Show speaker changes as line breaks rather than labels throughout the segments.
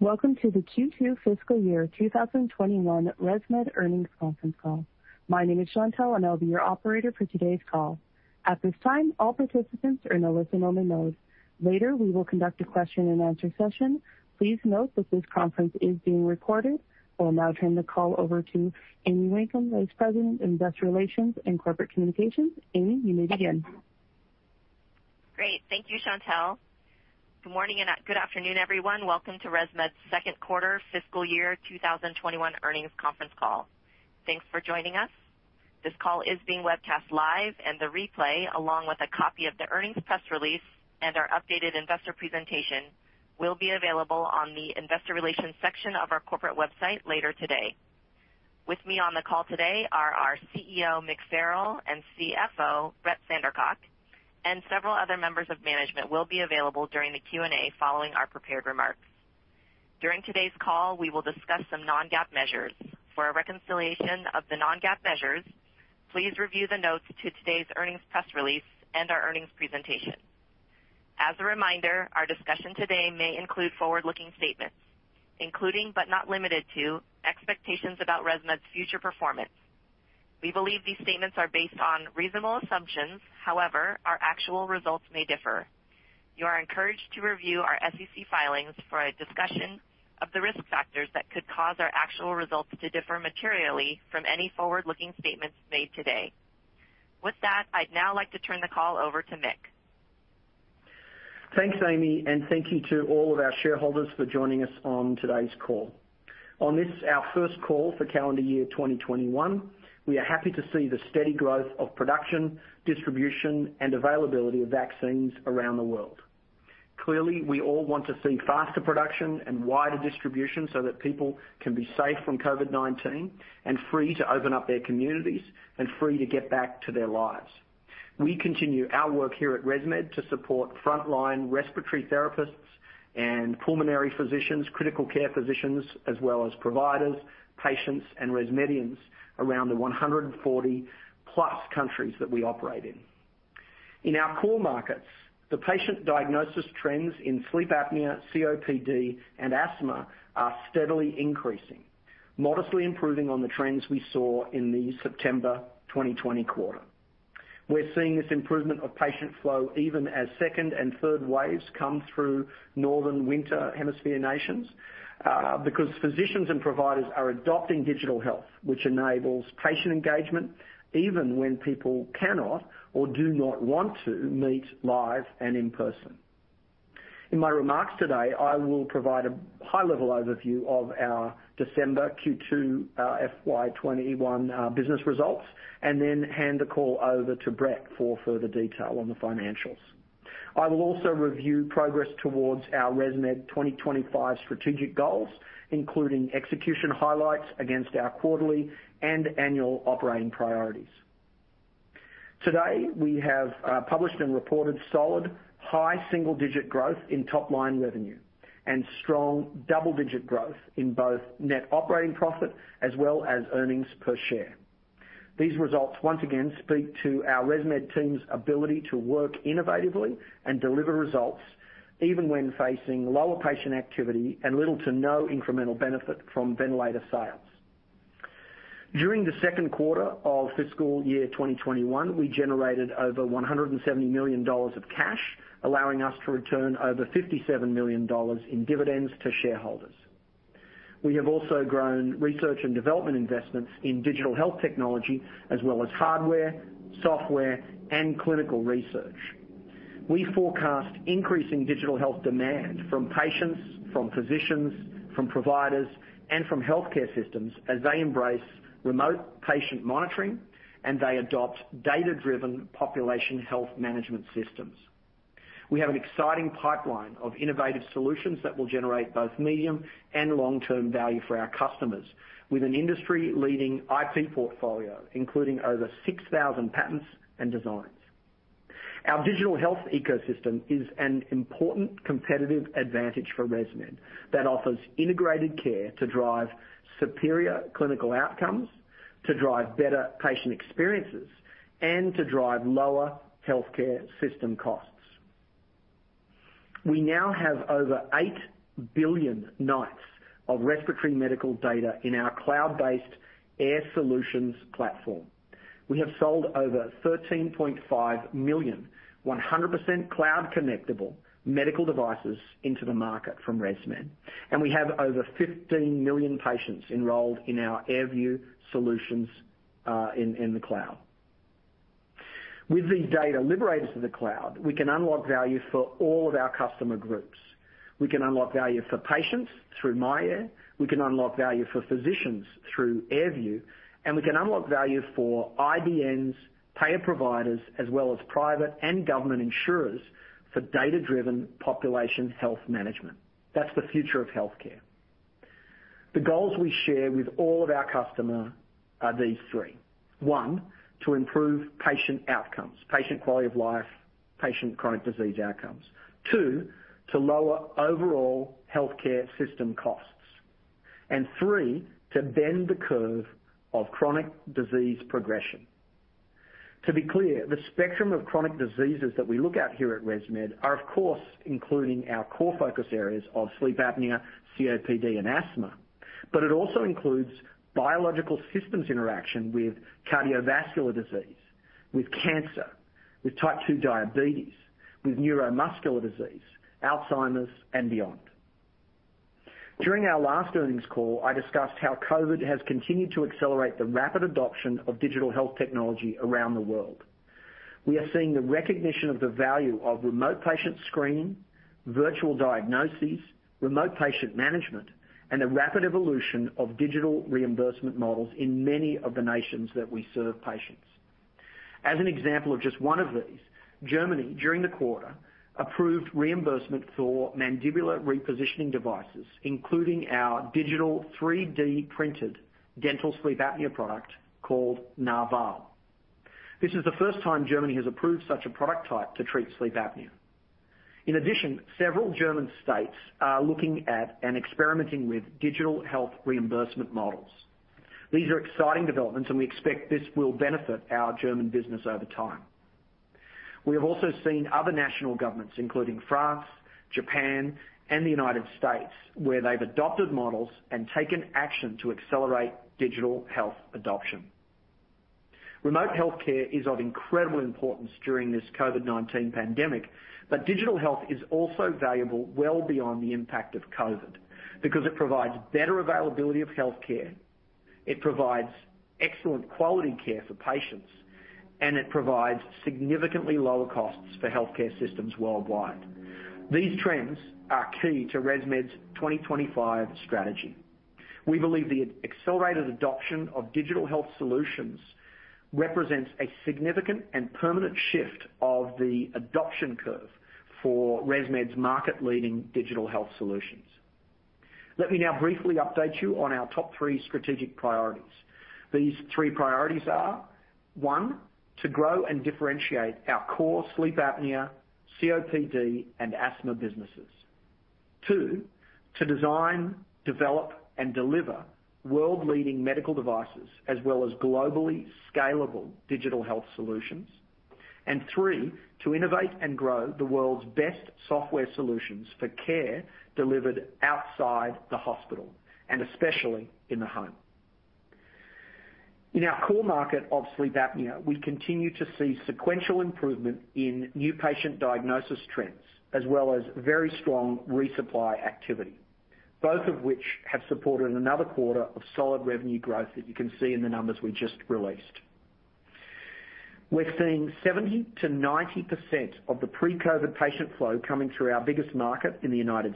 Welcome to the Q2 fiscal year 2021 ResMed earnings conference call. My name is Chantelle, and I'll be your operator for today's call. At this time, all participants are in a listen-only mode. Later, we will conduct a question and answer session. Please note that this conference is being recorded. I will now turn the call over to Amy Wakeham, Vice President, Investor Relations and Corporate Communications. Amy, you may begin.
Great. Thank you, Chantelle. Good morning and good afternoon, everyone. Welcome to ResMed's second quarter fiscal year 2021 earnings conference call. Thanks for joining us. This call is being webcast live, and the replay, along with a copy of the earnings press release and our updated investor presentation, will be available on the investor relations section of our corporate website later today. With me on the call today are our CEO, Mick Farrell, and CFO, Brett Sandercock, and several other members of management will be available during the Q&A following our prepared remarks. During today's call, we will discuss some non-GAAP measures. For a reconciliation of the non-GAAP measures, please review the notes to today's earnings press release and our earnings presentation. As a reminder, our discussion today may include forward-looking statements, including, but not limited to, expectations about ResMed's future performance. We believe these statements are based on reasonable assumptions. However, our actual results may differ. You are encouraged to review our SEC filings for a discussion of the risk factors that could cause our actual results to differ materially from any forward-looking statements made today. With that, I'd now like to turn the call over to Mick.
Thanks, Amy. Thank you to all of our shareholders for joining us on today's call. On this, our first call for calendar year 2021, we are happy to see the steady growth of production, distribution, and availability of vaccines around the world. Clearly, we all want to see faster production and wider distribution so that people can be safe from COVID-19 and free to open up their communities and free to get back to their lives. We continue our work here at ResMed to support frontline respiratory therapists and pulmonary physicians, critical care physicians, as well as providers, patients, and ResMedians around the 140+ countries that we operate in. In our core markets, the patient diagnosis trends in sleep apnea, COPD, and asthma are steadily increasing, modestly improving on the trends we saw in the September 2020 quarter. We're seeing this improvement of patient flow even as second and third waves come through northern winter hemisphere nations, because physicians and providers are adopting digital health, which enables patient engagement even when people cannot or do not want to meet live and in person. In my remarks today, I will provide a high-level overview of our December Q2 FY21 business results and then hand the call over to Brett for further detail on the financials. I will also review progress towards our ResMed 2025 strategic goals, including execution highlights against our quarterly and annual operating priorities. Today, we have published and reported solid, high single-digit growth in top-line revenue and strong double-digit growth in both net operating profit as well as earnings per share. These results once again speak to our ResMed team's ability to work innovatively and deliver results even when facing lower patient activity and little to no incremental benefit from ventilator sales. During the second quarter of fiscal year 2021, we generated over $170 million of cash, allowing us to return over $57 million in dividends to shareholders. We have also grown research and development investments in digital health technology as well as hardware, software, and clinical research. We forecast increasing digital health demand from patients, from physicians, from providers, and from healthcare systems as they embrace remote patient monitoring and they adopt data-driven population health management systems. We have an exciting pipeline of innovative solutions that will generate both medium and long-term value for our customers with an industry-leading IP portfolio, including over 6,000 patents and designs. Our digital health ecosystem is an important competitive advantage for ResMed that offers integrated care to drive superior clinical outcomes, to drive better patient experiences, and to drive lower healthcare system costs. We now have over 8 billion nights of respiratory medical data in our cloud-based Air Solutions platform. We have sold over 13.5 million 100% cloud-connectable medical devices into the market from ResMed, and we have over 15 million patients enrolled in our AirView solutions in the cloud. With these data liberated to the cloud, we can unlock value for all of our customer groups. We can unlock value for patients through myAir, we can unlock value for physicians through AirView, and we can unlock value for IDNs, payer providers, as well as private and government insurers for data-driven population health management. That's the future of healthcare. The goals we share with all of our customer are these three. One, to improve patient outcomes, patient quality of life, patient chronic disease outcomes. Two, to lower overall healthcare system costs. Three, to bend the curve of chronic disease progression. To be clear, the spectrum of chronic diseases that we look at here at ResMed are, of course, including our core focus areas of sleep apnea, COPD, and asthma. It also includes biological systems interaction with cardiovascular disease, with cancer, with type 2 diabetes, with neuromuscular disease, Alzheimer's, and beyond. During our last earnings call, I discussed how COVID has continued to accelerate the rapid adoption of digital health technology around the world. We are seeing the recognition of the value of remote patient screening, virtual diagnoses, remote patient management, and the rapid evolution of digital reimbursement models in many of the nations that we serve patients. As an example of just one of these, Germany, during the quarter, approved reimbursement for mandibular repositioning devices, including our digital 3D-printed dental sleep apnea product called Narval. This is the first time Germany has approved such a product type to treat sleep apnea. In addition, several German states are looking at and experimenting with digital health reimbursement models. These are exciting developments, and we expect this will benefit our German business over time. We have also seen other national governments, including France, Japan, and the United States, where they've adopted models and taken action to accelerate digital health adoption. Remote healthcare is of incredible importance during this COVID-19 pandemic, but digital health is also valuable well beyond the impact of COVID because it provides better availability of healthcare, it provides excellent quality care for patients, and it provides significantly lower costs for healthcare systems worldwide. These trends are key to ResMed's 2025 strategy. We believe the accelerated adoption of digital health solutions represents a significant and permanent shift of the adoption curve for ResMed's market-leading digital health solutions. Let me now briefly update you on our top three strategic priorities. These three priorities are, one, to grow and differentiate our core sleep apnea, COPD, and asthma businesses. Two, to design, develop, and deliver world-leading medical devices as well as globally scalable digital health solutions. Three, to innovate and grow the world's best software solutions for care delivered outside the hospital, and especially in the home. In our core market of sleep apnea, we continue to see sequential improvement in new patient diagnosis trends, as well as very strong resupply activity, both of which have supported another quarter of solid revenue growth as you can see in the numbers we just released. We're seeing 70%-90% of the pre-COVID patient flow coming through our biggest market in the U.S.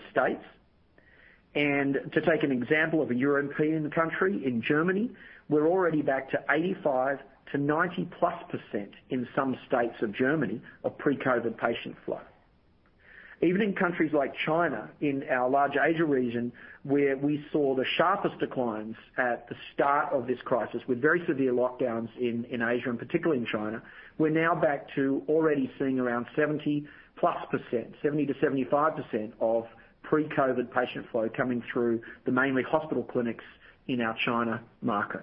To take an example of a European country, in Germany, we're already back to 85%-90-plus% in some states of Germany of pre-COVID patient flow. Even in countries like China, in our large Asia region, where we saw the sharpest declines at the start of this crisis with very severe lockdowns in Asia, and particularly in China, we're now back to already seeing around 70%+, 70%-75% of pre-COVID patient flow coming through the mainly hospital clinics in our China market.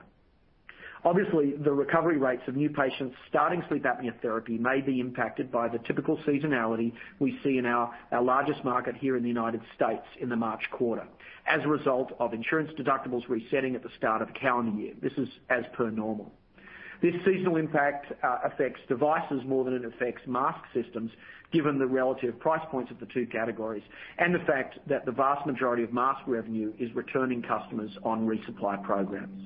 Obviously, the recovery rates of new patients starting sleep apnea therapy may be impacted by the typical seasonality we see in our largest market here in the U.S. in the March quarter as a result of insurance deductibles resetting at the start of calendar year. This is as per normal. This seasonal impact affects devices more than it affects mask systems, given the relative price points of the two categories and the fact that the vast majority of mask revenue is returning customers on resupply programs.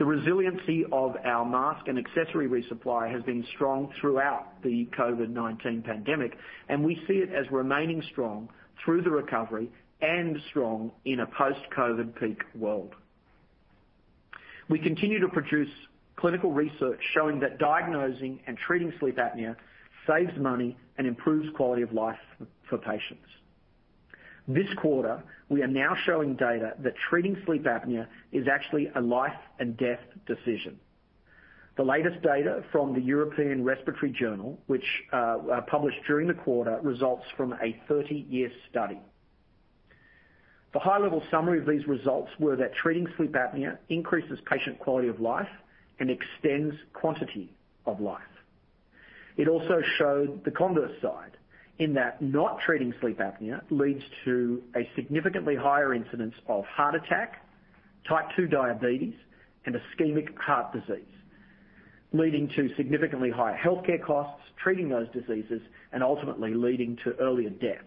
The resiliency of our mask and accessory resupply has been strong throughout the COVID-19 pandemic, and we see it as remaining strong through the recovery and strong in a post-COVID peak world. We continue to produce clinical research showing that diagnosing and treating sleep apnea saves money and improves quality of life for patients. This quarter, we are now showing data that treating sleep apnea is actually a life and death decision. The latest data from the European Respiratory Journal, which, published during the quarter, results from a 30-year study. The high-level summary of these results were that treating sleep apnea increases patient quality of life and extends quantity of life. It also showed the converse side, in that not treating sleep apnea leads to a significantly higher incidence of heart attack, type 2 diabetes, and ischemic heart disease, leading to significantly higher healthcare costs, treating those diseases, and ultimately leading to earlier death.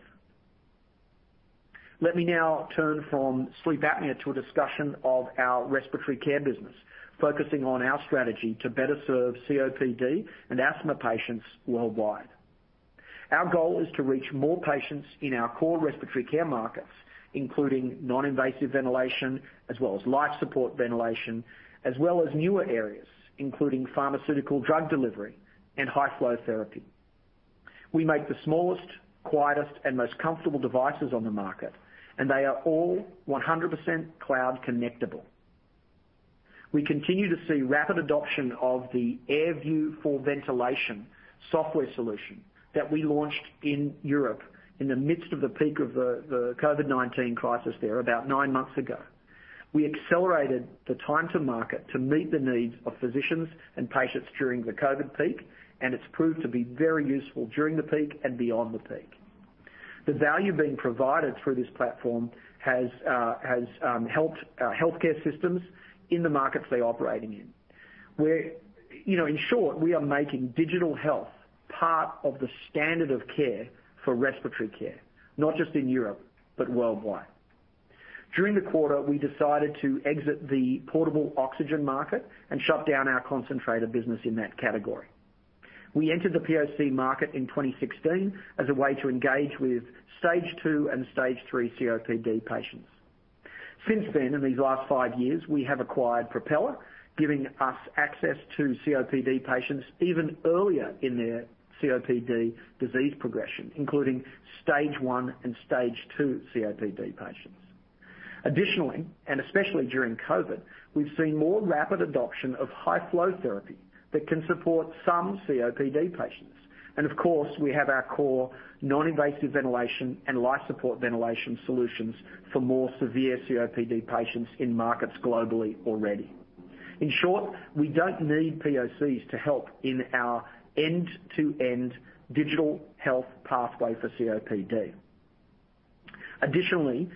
Let me now turn from sleep apnea to a discussion of our respiratory care business, focusing on our strategy to better serve COPD and asthma patients worldwide. Our goal is to reach more patients in our core respiratory care markets, including non-invasive ventilation, as well as life support ventilation, as well as newer areas, including pharmaceutical drug delivery and high-flow therapy. We make the smallest, quietest, and most comfortable devices on the market, and they are all 100% cloud connectable. We continue to see rapid adoption of the AirView for Ventilation software solution that we launched in Europe in the midst of the peak of the COVID-19 crisis there about nine months ago. We accelerated the time to market to meet the needs of physicians and patients during the COVID peak, and it's proved to be very useful during the peak and beyond the peak. The value being provided through this platform has helped our healthcare systems in the markets they're operating in. In short, we are making digital health part of the standard of care for respiratory care, not just in Europe, but worldwide. During the quarter, we decided to exit the portable oxygen market and shut down our concentrator business in that category. We entered the POC market in 2016 as a way to engage with stage 2 and stage 3 COPD patients. Since then, in these last five years, we have acquired Propeller, giving us access to COPD patients even earlier in their COPD disease progression, including stage 1 and stage 2 COPD patients. Additionally, and especially during COVID, we've seen more rapid adoption of high-flow therapy that can support some COPD patients. Of course, we have our core non-invasive ventilation and life support ventilation solutions for more severe COPD patients in markets globally already. In short, we don't need POCs to help in our end-to-end digital health pathway for COPD. Additionally,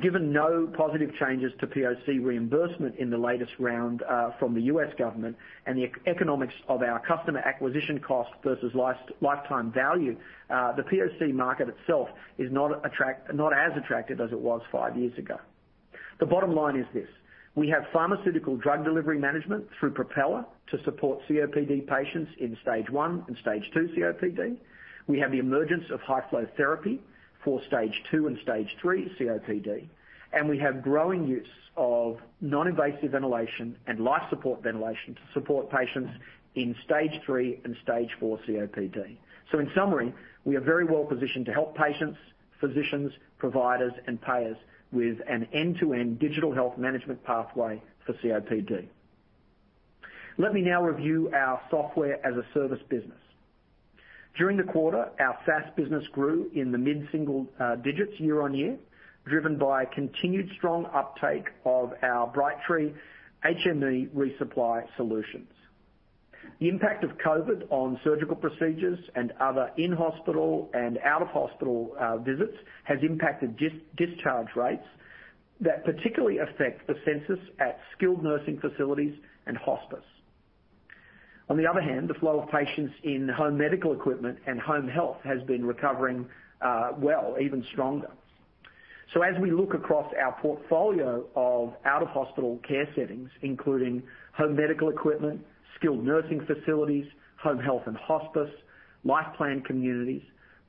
given no positive changes to POC reimbursement in the latest round from the U.S. government and the economics of our customer acquisition cost versus lifetime value, the POC market itself is not as attractive as it was five years ago. The bottom line is this: we have pharmaceutical drug delivery management through Propeller to support COPD patients in stage I and stage II COPD. We have the emergence of high-flow therapy for stage II and stage III COPD, and we have growing use of non-invasive ventilation and life support ventilation to support patients in stage III and stage IV COPD. In summary, we are very well positioned to help patients, physicians, providers, and payers with an end-to-end digital health management pathway for COPD. Let me now review our software as a service business. During the quarter, our SaaS business grew in the mid-single digits year-on-year, driven by continued strong uptake of our Brightree HME resupply solutions. The impact of COVID-19 on surgical procedures and other in-hospital and out-of-hospital visits has impacted discharge rates that particularly affect the census at skilled nursing facilities and hospice. On the other hand, the flow of patients in home medical equipment and home health has been recovering well, even stronger. As we look across our portfolio of out-of-hospital care settings, including home medical equipment, skilled nursing facilities, home health and hospice, life plan communities,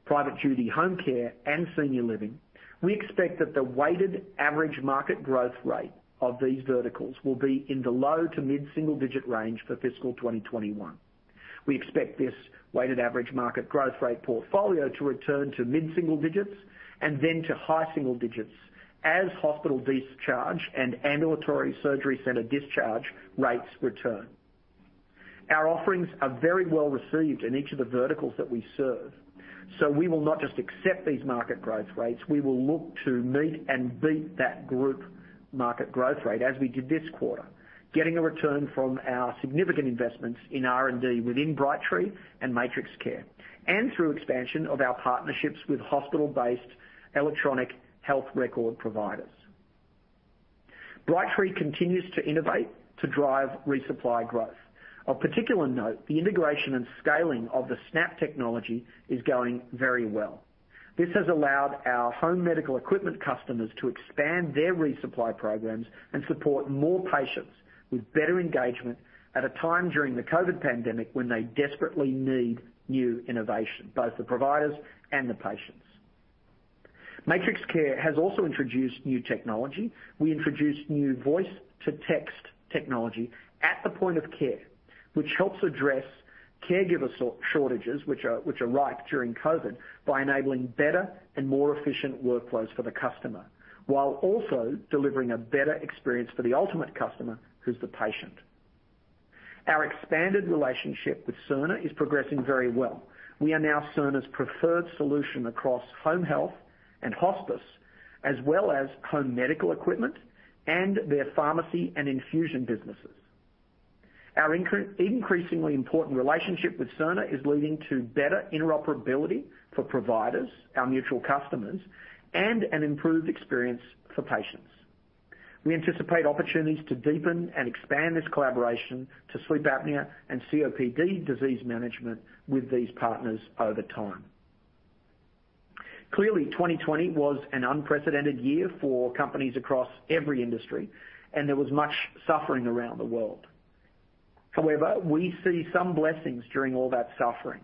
private duty home care, and senior living, we expect that the weighted average market growth rate of these verticals will be in the low to mid-single digit range for fiscal 2021. We expect this weighted average market growth rate portfolio to return to mid-single digits and then to high single digits as hospital discharge and ambulatory surgery center discharge rates return. We will not just accept these market growth rates, we will look to meet and beat that group market growth rate as we did this quarter, getting a return from our significant investments in R&D within Brightree and MatrixCare, and through expansion of our partnerships with hospital-based electronic health record providers. Brightree continues to innovate to drive resupply growth. Of particular note, the integration and scaling of the SNAP Technology is going very well. This has allowed our home medical equipment customers to expand their resupply programs and support more patients with better engagement at a time during the COVID pandemic when they desperately need new innovation, both the providers and the patients. MatrixCare has also introduced new technology. We introduced new voice-to-text technology at the point of care, which helps address caregiver shortages, which are ripe during COVID, by enabling better and more efficient workflows for the customer, while also delivering a better experience for the ultimate customer, who's the patient. Our expanded relationship with Cerner is progressing very well. We are now Cerner's preferred solution across home health and hospice, as well as home medical equipment and their pharmacy and infusion businesses. Our increasingly important relationship with Cerner is leading to better interoperability for providers, our mutual customers, and an improved experience for patients. We anticipate opportunities to deepen and expand this collaboration to sleep apnea and COPD disease management with these partners over time. Clearly, 2020 was an unprecedented year for companies across every industry, and there was much suffering around the world. However, we see some blessings during all that suffering.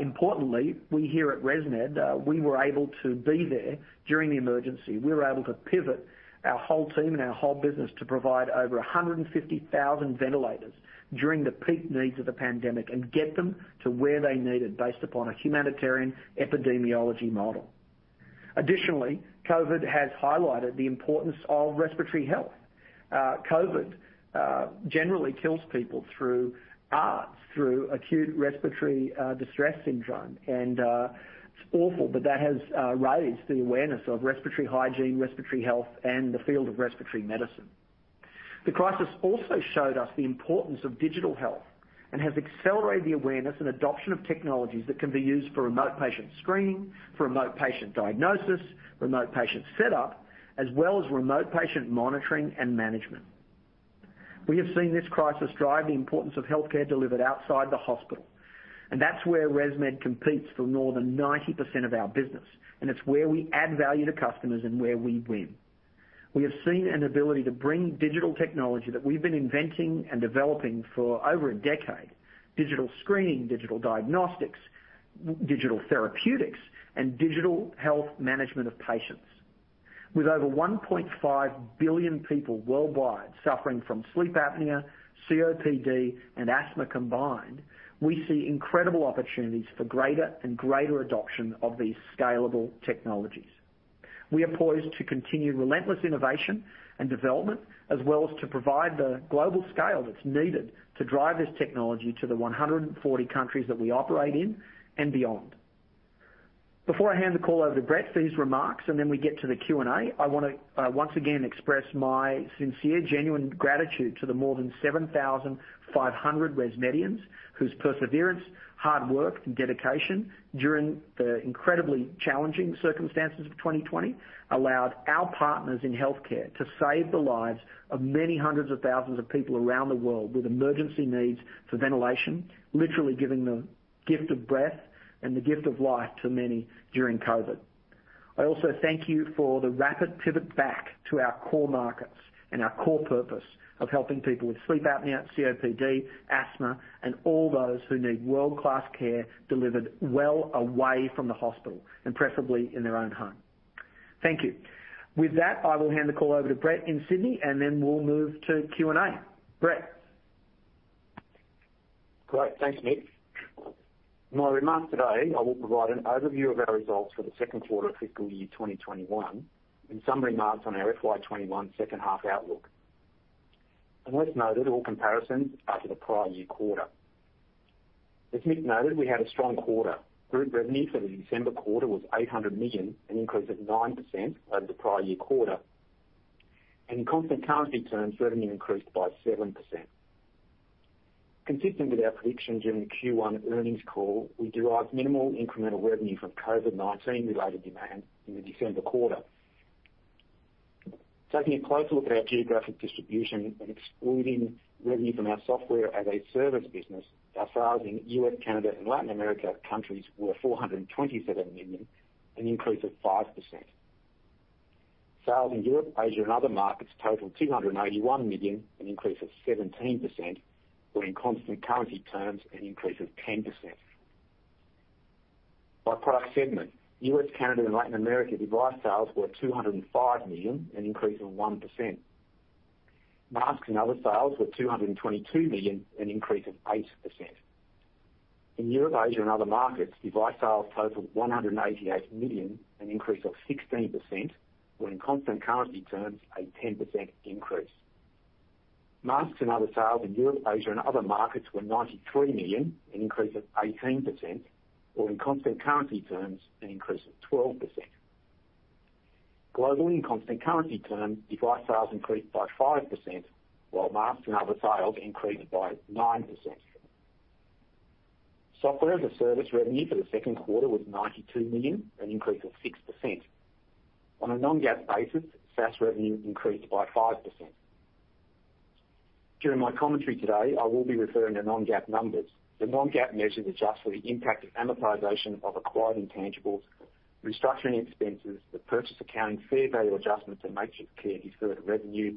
Importantly, we here at ResMed were able to be there during the emergency. We were able to pivot our whole team and our whole business to provide over 150,000 ventilators during the peak needs of the pandemic and get them to where they're needed based upon a humanitarian epidemiology model. Additionally, COVID has highlighted the importance of respiratory health. COVID, generally kills people through ARDS, through acute respiratory distress syndrome. It's awful, but that has raised the awareness of respiratory hygiene, respiratory health, and the field of respiratory medicine. The crisis also showed us the importance of digital health and has accelerated the awareness and adoption of technologies that can be used for remote patient screening, for remote patient diagnosis, remote patient setup, as well as remote patient monitoring and management. We have seen this crisis drive the importance of healthcare delivered outside the hospital, and that's where ResMed competes for more than 90% of our business. It's where we add value to customers and where we win. We have seen an ability to bring digital technology that we've been inventing and developing for over a decade, digital screening, digital diagnostics, digital therapeutics, and digital health management of patients. With over 1.5 billion people worldwide suffering from sleep apnea, COPD, and asthma combined, we see incredible opportunities for greater and greater adoption of these scalable technologies. We are poised to continue relentless innovation and development, as well as to provide the global scale that's needed to drive this technology to the 140 countries that we operate in and beyond. Before I hand the call over to Brett for his remarks, then we get to the Q&A, I want to once again express my sincere, genuine gratitude to the more than 7,500 ResMedians whose perseverance, hard work, and dedication during the incredibly challenging circumstances of 2020 allowed our partners in healthcare to save the lives of many hundreds of thousands of people around the world with emergency needs for ventilation, literally giving the gift of breath and the gift of life to many during COVID. I also thank you for the rapid pivot back to our core markets and our core purpose of helping people with sleep apnea, COPD, asthma, and all those who need world-class care delivered well away from the hospital and preferably in their own home. Thank you. With that, I will hand the call over to Brett in Sydney, and then we will move to Q&A. Brett?
Great. Thanks, Mick. In my remarks today, I will provide an overview of our results for the second quarter of fiscal year 2021 and some remarks on our FY 2021 second half outlook. Worth noting, all comparisons are to the prior year quarter. As Mick noted, we had a strong quarter. Group revenue for the December quarter was $800 million, an increase of 9% over the prior year quarter. In constant currency terms, revenue increased by 7%. Consistent with our predictions during the Q1 earnings call, we derived minimal incremental revenue from COVID-19 related demand in the December quarter. Taking a closer look at our geographic distribution and excluding revenue from our Software as a Service business, our sales in U.S., Canada, and Latin America countries were $427 million, an increase of 5%. Sales in Europe, Asia, and other markets totaled $281 million, an increase of 17%, or in constant currency terms, an increase of 10%. By product segment, U.S., Canada, and Latin America device sales were $205 million, an increase of 1%. Masks and other sales were $222 million, an increase of 8%. In Europe, Asia, and other markets, device sales totaled $188 million, an increase of 16%, or in constant currency terms, a 10% increase. Masks and other sales in Europe, Asia, and other markets were $93 million, an increase of 18%, or in constant currency terms, an increase of 12%. Globally, in constant currency terms, device sales increased by 5%, while masks and other sales increased by 9%. Software as a Service revenue for the second quarter was $92 million, an increase of 6%. On a non-GAAP basis, SaaS revenue increased by 5%. During my commentary today, I will be referring to non-GAAP numbers. The non-GAAP measures adjust for the impact of amortization of acquired intangibles, restructuring expenses, the purchase accounting fair value adjustments in MatrixCare deferred revenue,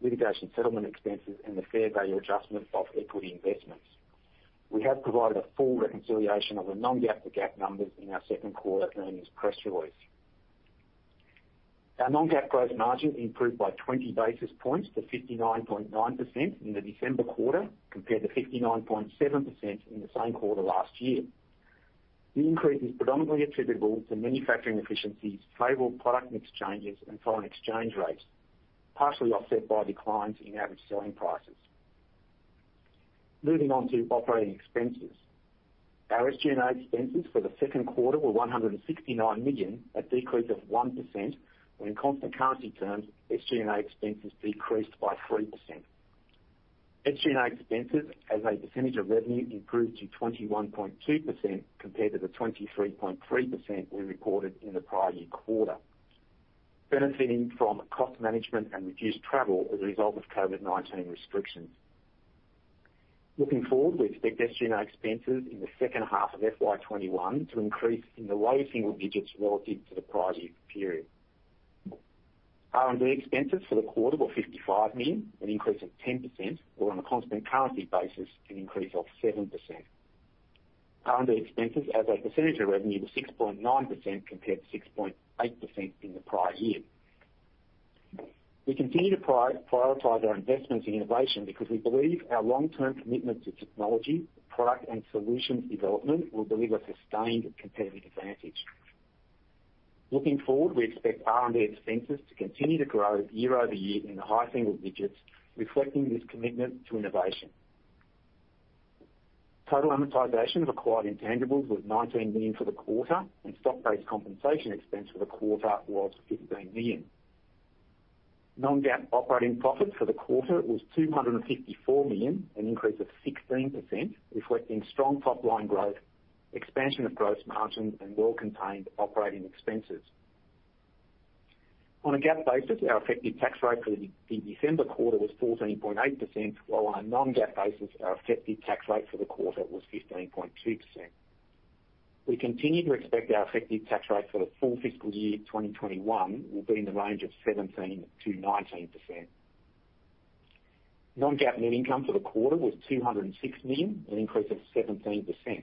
litigation settlement expenses, and the fair value adjustments of equity investments. We have provided a full reconciliation of the non-GAAP to GAAP numbers in our second quarter earnings press release. Our non-GAAP gross margin improved by 20 basis points to 59.9% in the December quarter, compared to 59.7% in the same quarter last year. The increase is predominantly attributable to manufacturing efficiencies, favorable product mix changes, and foreign exchange rates, partially offset by declines in average selling prices. Moving on to operating expenses. Our SG&A expenses for the second quarter were $169 million, a decrease of 1%, or in constant currency terms, SG&A expenses decreased by 3%. SG&A expenses as a percentage of revenue improved to 21.2% compared to the 23.3% we recorded in the prior year quarter, benefiting from cost management and reduced travel as a result of COVID-19 restrictions. Looking forward, we expect SG&A expenses in the second half of FY 2021 to increase in the low single digits relative to the prior year period. R&D expenses for the quarter were $55 million, an increase of 10%, or on a constant currency basis, an increase of 7%. R&D expenses as a percentage of revenue were 6.9% compared to 6.8% in the prior year. We continue to prioritize our investments in innovation because we believe our long-term commitment to technology, product, and solutions development will deliver sustained competitive advantage. Looking forward, we expect R&D expenses to continue to grow year-over-year in the high single digits, reflecting this commitment to innovation. Total amortization of acquired intangibles was $19 million for the quarter, and stock-based compensation expense for the quarter was $15 million. Non-GAAP operating profit for the quarter was $254 million, an increase of 16%, reflecting strong top-line growth, expansion of gross margins, and well-contained operating expenses. On a GAAP basis, our effective tax rate for the December quarter was 14.8%, while on a non-GAAP basis, our effective tax rate for the quarter was 15.2%. We continue to expect our effective tax rate for the full fiscal year 2021 will be in the range of 17%-19%. Non-GAAP net income for the quarter was $206 million, an increase of 17%.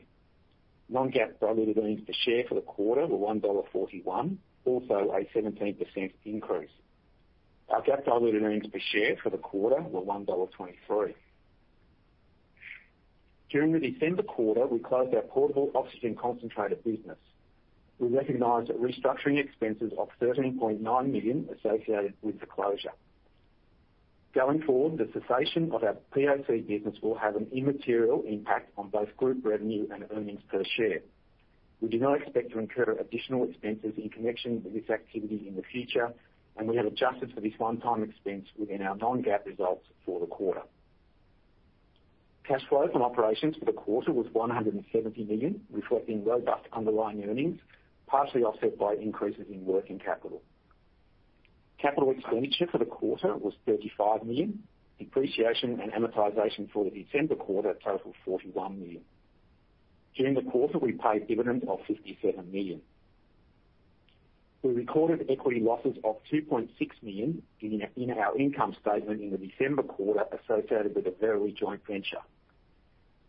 Non-GAAP diluted earnings per share for the quarter were $1.41, also a 17% increase. Our GAAP diluted earnings per share for the quarter were $1.23. During the December quarter, we closed our portable oxygen concentrator business. We recognized restructuring expenses of $13.9 million associated with the closure. Going forward, the cessation of our POC business will have an immaterial impact on both group revenue and earnings per share. We do not expect to incur additional expenses in connection with this activity in the future, and we have adjusted for this one-time expense within our non-GAAP results for the quarter. Cash flow from operations for the quarter was $170 million, reflecting robust underlying earnings, partially offset by increases in working capital. Capital expenditure for the quarter was $35 million. Depreciation and amortization for the December quarter total $41 million. During the quarter, we paid dividends of $57 million. We recorded equity losses of $2.6 million in our income statement in the December quarter associated with a Verily joint venture.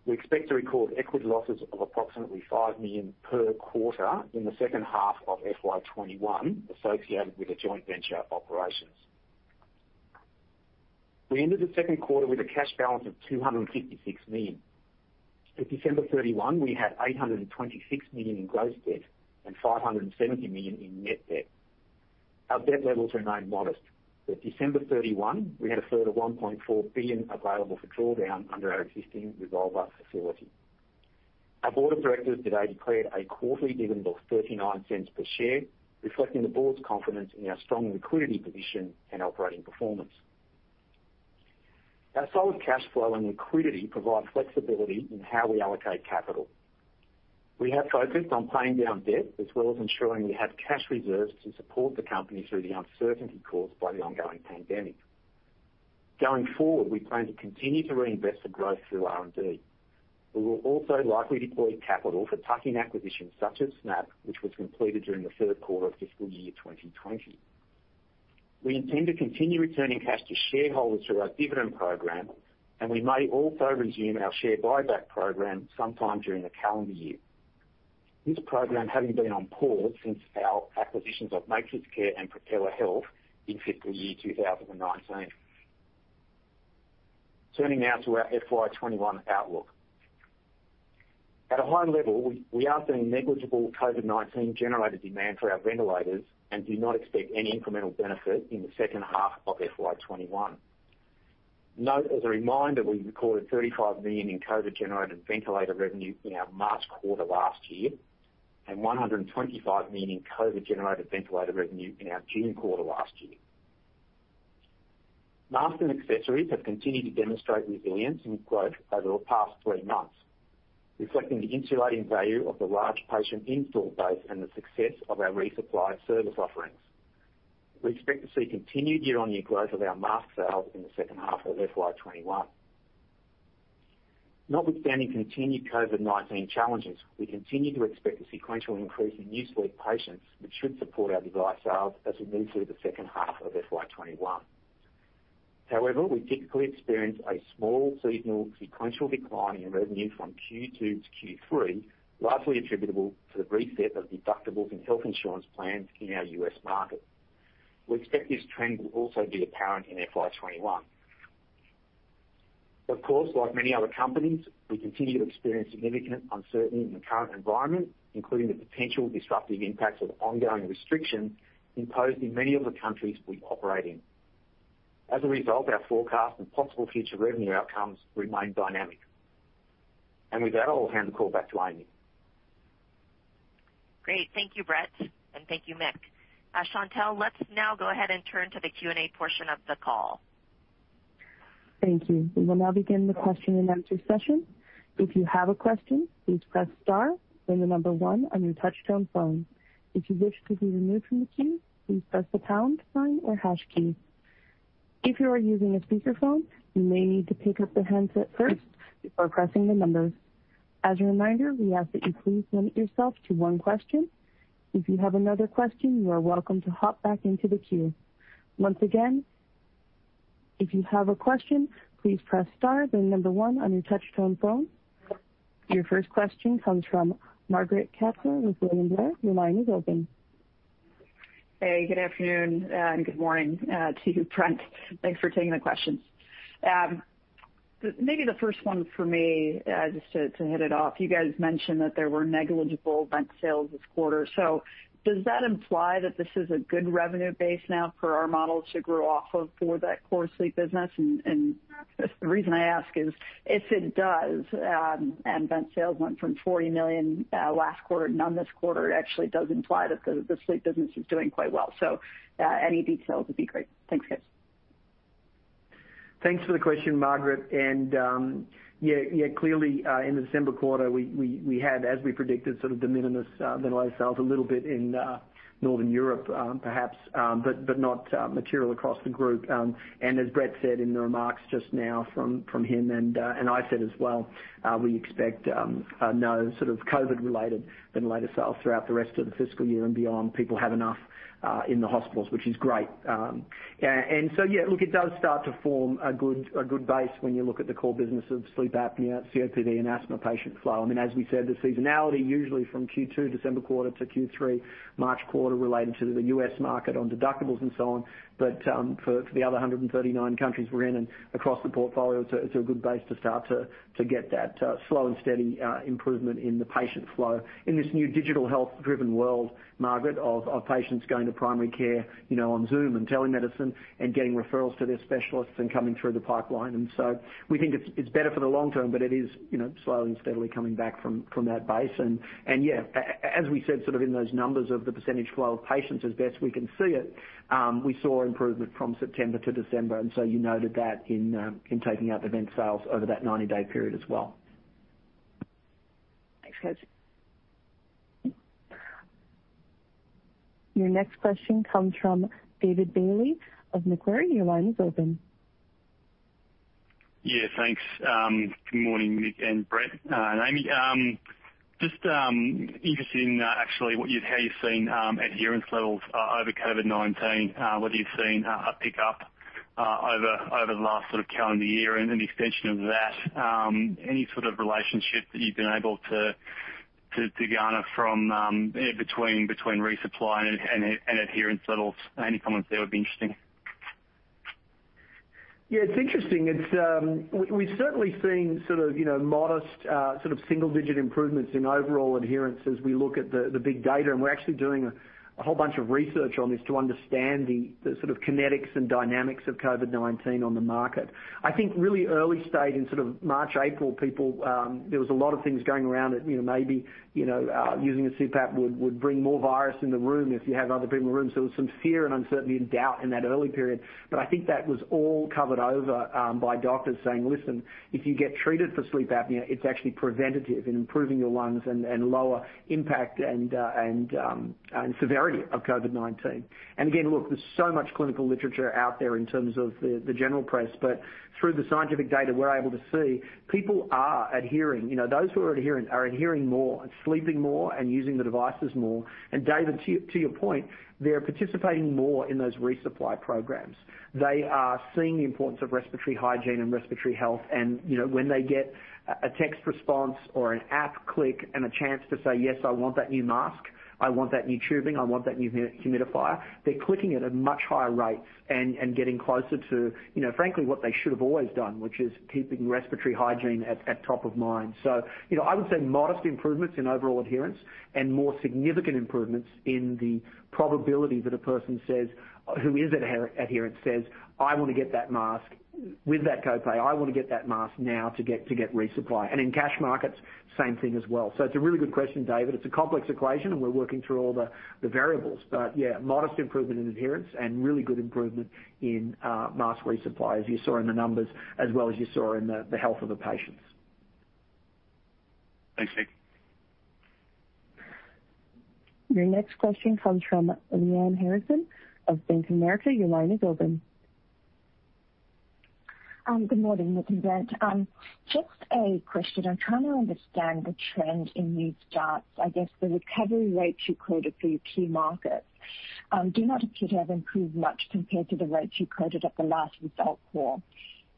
We expect to record equity losses of approximately $5 million per quarter in the second half of FY 2021 associated with the joint venture operations. We ended the second quarter with a cash balance of $256 million. At December 31, we had $826 million in gross debt and $570 million in net debt. Our debt levels remain modest. At December 31, we had a further $1.4 billion available for drawdown under our existing revolver facility. Our board of directors today declared a quarterly dividend of $0.39 per share, reflecting the board's confidence in our strong liquidity position and operating performance. Our solid cash flow and liquidity provide flexibility in how we allocate capital. We have focused on paying down debt as well as ensuring we have cash reserves to support the company through the uncertainty caused by the ongoing pandemic. Going forward, we plan to continue to reinvest for growth through R&D. We will also likely deploy capital for tuck-in acquisitions such as SNAP, which was completed during the third quarter of fiscal year 2020. We intend to continue returning cash to shareholders through our dividend program, and we may also resume our share buyback program sometime during the calendar year. This program having been on pause since our acquisitions of MatrixCare and Propeller Health in fiscal year 2019. Turning now to our FY21 outlook. At a high level, we are seeing negligible COVID-19 generated demand for our ventilators and do not expect any incremental benefit in the second half of FY21. Note, as a reminder, we recorded $35 million in COVID-generated ventilator revenue in our March quarter last year. $125 million in COVID-generated ventilator revenue in our June quarter last year. Masks and accessories have continued to demonstrate resilience in growth over the past three months, reflecting the insulating value of the large patient install base and the success of our resupply service offerings. We expect to see continued year-on-year growth of our mask sales in the second half of FY 2021. Notwithstanding continued COVID-19 challenges, we continue to expect a sequential increase in new sleep patients, which should support our device sales as we move through the second half of FY 2021. We typically experience a small seasonal sequential decline in revenue from Q2 to Q3, largely attributable to the reset of deductibles and health insurance plans in our U.S. market. We expect this trend will also be apparent in FY21. Of course, like many other companies, we continue to experience significant uncertainty in the current environment, including the potential disruptive impacts of ongoing restrictions imposed in many of the countries we operate in. As a result, our forecast and possible future revenue outcomes remain dynamic. With that, I'll hand the call back to Amy.
Great. Thank you, Brett, and thank you, Mick. Chantelle, let's now go ahead and turn to the Q&A portion of the call.
Thank you. We will now begin the question and answer session. If you have a question, please press star then the number one on your touchtone phone. If you wish to be removed from the queue, please press the pound sign or hash key. If you are using a speakerphone, you may need to pick up the handset first before pressing the numbers. As a reminder, we ask that you please limit yourself to one question. If you have another question, you are welcome to hop back into the queue. Once again, if you have a question, please press star then number one on your touchtone phone. Your first question comes from Margaret Kaczor with William Blair. Your line is open.
Hey, good afternoon and good morning to you, Brett. Thanks for taking the questions. Maybe the first one for me, just to hit it off. You guys mentioned that there were negligible vent sales this quarter. Does that imply that this is a good revenue base now for our model to grow off of for that core sleep business? The reason I ask is, if it does, and vent sales went from $40 million last quarter to none this quarter, it actually does imply that the sleep business is doing quite well. Any details would be great. Thanks, guys.
Thanks for the question, Margaret. Yeah, clearly, in the December quarter, we had, as we predicted, sort of de minimis ventilator sales, a little bit in Northern Europe, perhaps, but not material across the group. As Brett said in the remarks just now from him, and I said as well, we expect no sort of COVID-related ventilator sales throughout the rest of the fiscal year and beyond. People have enough in the hospitals, which is great. Yeah, look, it does start to form a good base when you look at the core business of sleep apnea, COPD, and asthma patient flow. As we said, the seasonality usually from Q2 December quarter to Q3 March quarter related to the U.S. market on deductibles and so on. For the other 139 countries we're in and across the portfolio, it's a good base to start to get that slow and steady improvement in the patient flow in this new digital health-driven world, Margaret, of patients going to primary care on Zoom and telemedicine and getting referrals to their specialists and coming through the pipeline. We think it's better for the long term, but it is slowly and steadily coming back from that base. As we said in those numbers of the percentage flow of patients as best we can see it, we saw improvement from September to December. You noted that in taking out the vent sales over that 90-day period as well.
Thanks, guys.
Your next question comes from David Bailey of Macquarie. Your line is open.
Yeah, thanks. Good morning, Mick and Brett and Amy. Just interested in actually how you're seeing adherence levels over COVID-19, whether you're seeing a pickup over the last sort of calendar year and an extension of that. Any sort of relationship that you've been able to garner from in between resupply and adherence levels? Any comments there would be interesting.
It's interesting. We've certainly seen sort of modest single-digit improvements in overall adherence as we look at the big data, and we're actually doing a whole bunch of research on this to understand the sort of kinetics and dynamics of COVID-19 on the market. I think really early stage in sort of March, April, there was a lot of things going around that maybe using a CPAP would bring more virus in the room if you have other people in the room. There was some fear and uncertainty and doubt in that early period. I think that was all covered over by doctors saying, "Listen, if you get treated for sleep apnea, it's actually preventative in improving your lungs and lower impact and severity of COVID-19." Again, look, there's so much clinical literature out there in terms of the general press, but through the scientific data, we're able to see people are adhering. Those who are adhering are adhering more and sleeping more and using the devices more. David, to your point, they're participating more in those resupply programs. They are seeing the importance of respiratory hygiene and respiratory health. When they get a text response or an app click and a chance to say, "Yes, I want that new mask. I want that new tubing. I want that new humidifier," they're clicking it at much higher rates and getting closer to frankly what they should have always done, which is keeping respiratory hygiene at top of mind. I would say modest improvements in overall adherence and more significant improvements in the probability that a person says, who is adherent says, "I want to get that mask with that copay. I want to get that mask now to get resupply." In cash markets, same thing as well. It's a really good question, David. It's a complex equation, and we're working through all the variables. Yeah, modest improvement in adherence and really good improvement in mask resupply, as you saw in the numbers as well as you saw in the health of the patients.
Thanks, Mick.
Your next question comes from Lyanne Harrison of Bank of America. Your line is open.
Good morning, Mick and Brett. Just a question. I'm trying to understand the trend in these charts. I guess the recovery rates you quoted for your key markets do not appear to have improved much compared to the rates you quoted at the last result call.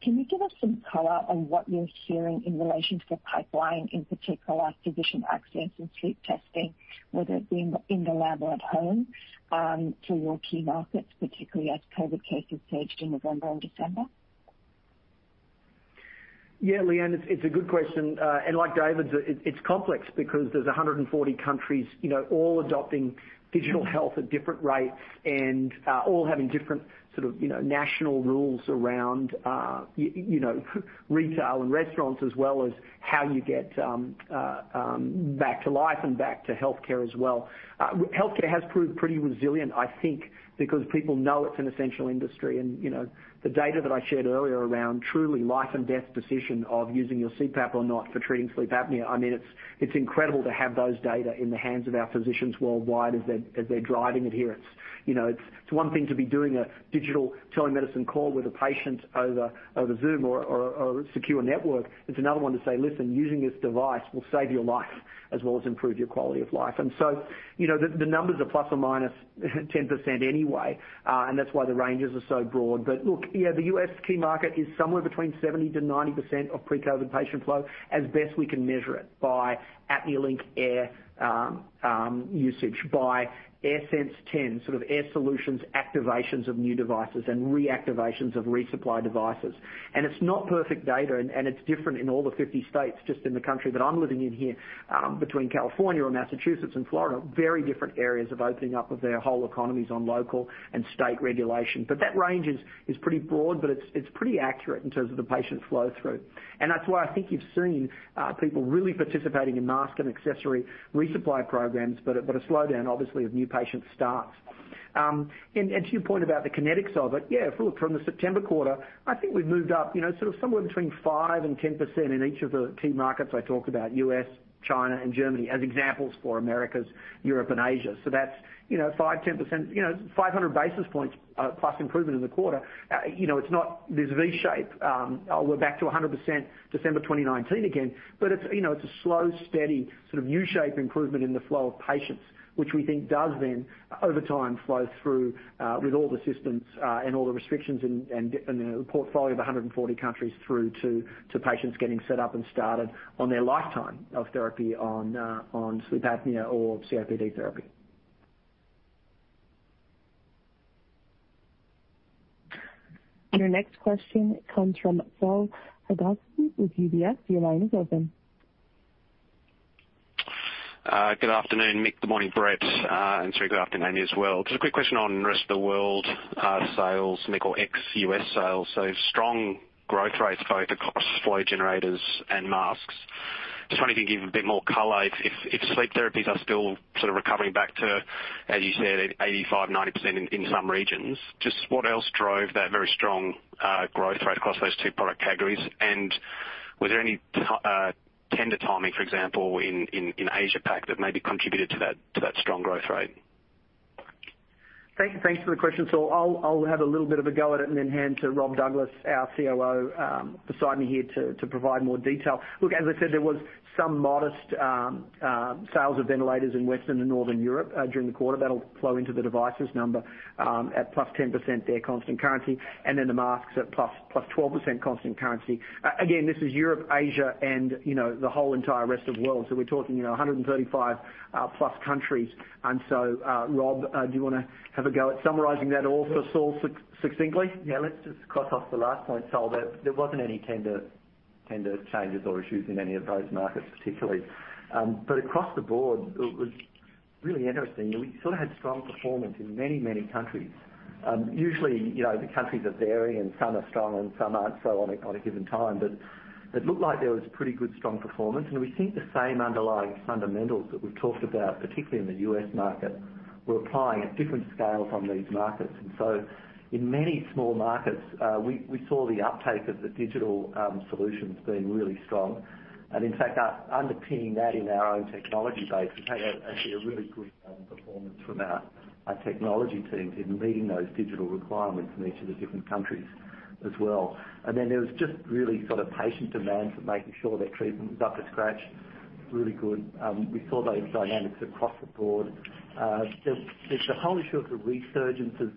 Can you give us some color on what you're hearing in relation to the pipeline, in particular physician access and sleep testing, whether it be in the lab or at home, for your key markets, particularly as COVID cases surged in November and December?
Yeah, Lyanne, it's a good question. Like David's, it's complex because there's 140 countries all adopting digital health at different rates and all having different sort of national rules around retail and restaurants, as well as how you get back to life and back to healthcare as well. Healthcare has proved pretty resilient, I think. Because people know it's an essential industry. The data that I shared earlier around truly life and death decision of using your CPAP or not for treating sleep apnea, it's incredible to have those data in the hands of our physicians worldwide as they're driving adherence. It's one thing to be doing a digital telemedicine call with a patient over Zoom or a secure network. It's another one to say, "Listen, using this device will save your life as well as improve your quality of life." The numbers are ±10% anyway. The U.S. key market is somewhere between 70%-90% of pre-COVID patient flow, as best we can measure it by ApneaLink Air usage, by AirSense 10, sort of Air Solutions activations of new devices and reactivations of resupply devices. It's not perfect data, and it's different in all the 50 states just in the country that I'm living in here, between California or Massachusetts and Florida, very different areas of opening up of their whole economies on local and state regulation. That range is pretty broad, but it's pretty accurate in terms of the patient flow through. That's why I think you've seen people really participating in mask and accessory resupply programs, but a slowdown, obviously, of new patient starts. To your point about the kinetics of it, yeah, if we look from the September quarter, I think we've moved up sort of somewhere between 5% and 10% in each of the key markets I talked about, U.S., China, and Germany, as examples for Americas, Europe, and Asia. That's 5%, 10%, 500 basis points plus improvement in the quarter. It's not this V shape, we're back to 100% December 2019 again, but it's a slow, steady, sort of U-shaped improvement in the flow of patients, which we think does then, over time, flow through, with all the systems and all the restrictions and the portfolio of 140 countries, through to patients getting set up and started on their lifetime of therapy on sleep apnea or COPD therapy.
Our next question comes from Saul Hadassin with UBS. Your line is open.
Good afternoon, Mick. Good morning, Brett. [Amy], good afternoon as well. Just a quick question on rest of the world sales, Mick, or ex-U.S. sales. Strong growth rates both across flow generators and masks. Just wondering if you can give a bit more color if sleep therapies are still sort of recovering back to, as you said, 85%, 90% in some regions. Just what else drove that very strong growth rate across those two product categories? Was there any tender timing, for example, in Asia-Pac that maybe contributed to that strong growth rate?
Thanks for the question, Saul. I'll have a little bit of a go at it and then hand to Rob Douglas, our COO, beside me here to provide more detail. Look, as I said, there was some modest sales of ventilators in Western and Northern Europe during the quarter. That'll flow into the devices number, at +10% there, constant currency, and then the masks at +12% constant currency. Again, this is Europe, Asia, and the whole entire rest of world. So we're talking 135+ countries. Rob, do you want to have a go at summarizing that all for Saul succinctly?
Yeah. Let's just cross off the last point, Saul, that there wasn't any tender changes or issues in any of those markets particularly. Across the board, it was really interesting. We sort of had strong performance in many, many countries. Usually, the countries are varying. Some are strong and some aren't so on a given time, but it looked like there was pretty good strong performance. We see the same underlying fundamentals that we've talked about, particularly in the U.S. market, were applying at different scales on these markets. In many small markets, we saw the uptake of the digital solutions being really strong. In fact, underpinning that in our own technology base, we've had actually a really good performance from our technology teams in meeting those digital requirements in each of the different countries as well. There was just really sort of patient demands for making sure their treatment was up to scratch. Really good. We saw those dynamics across the board. The whole issue of the resurgences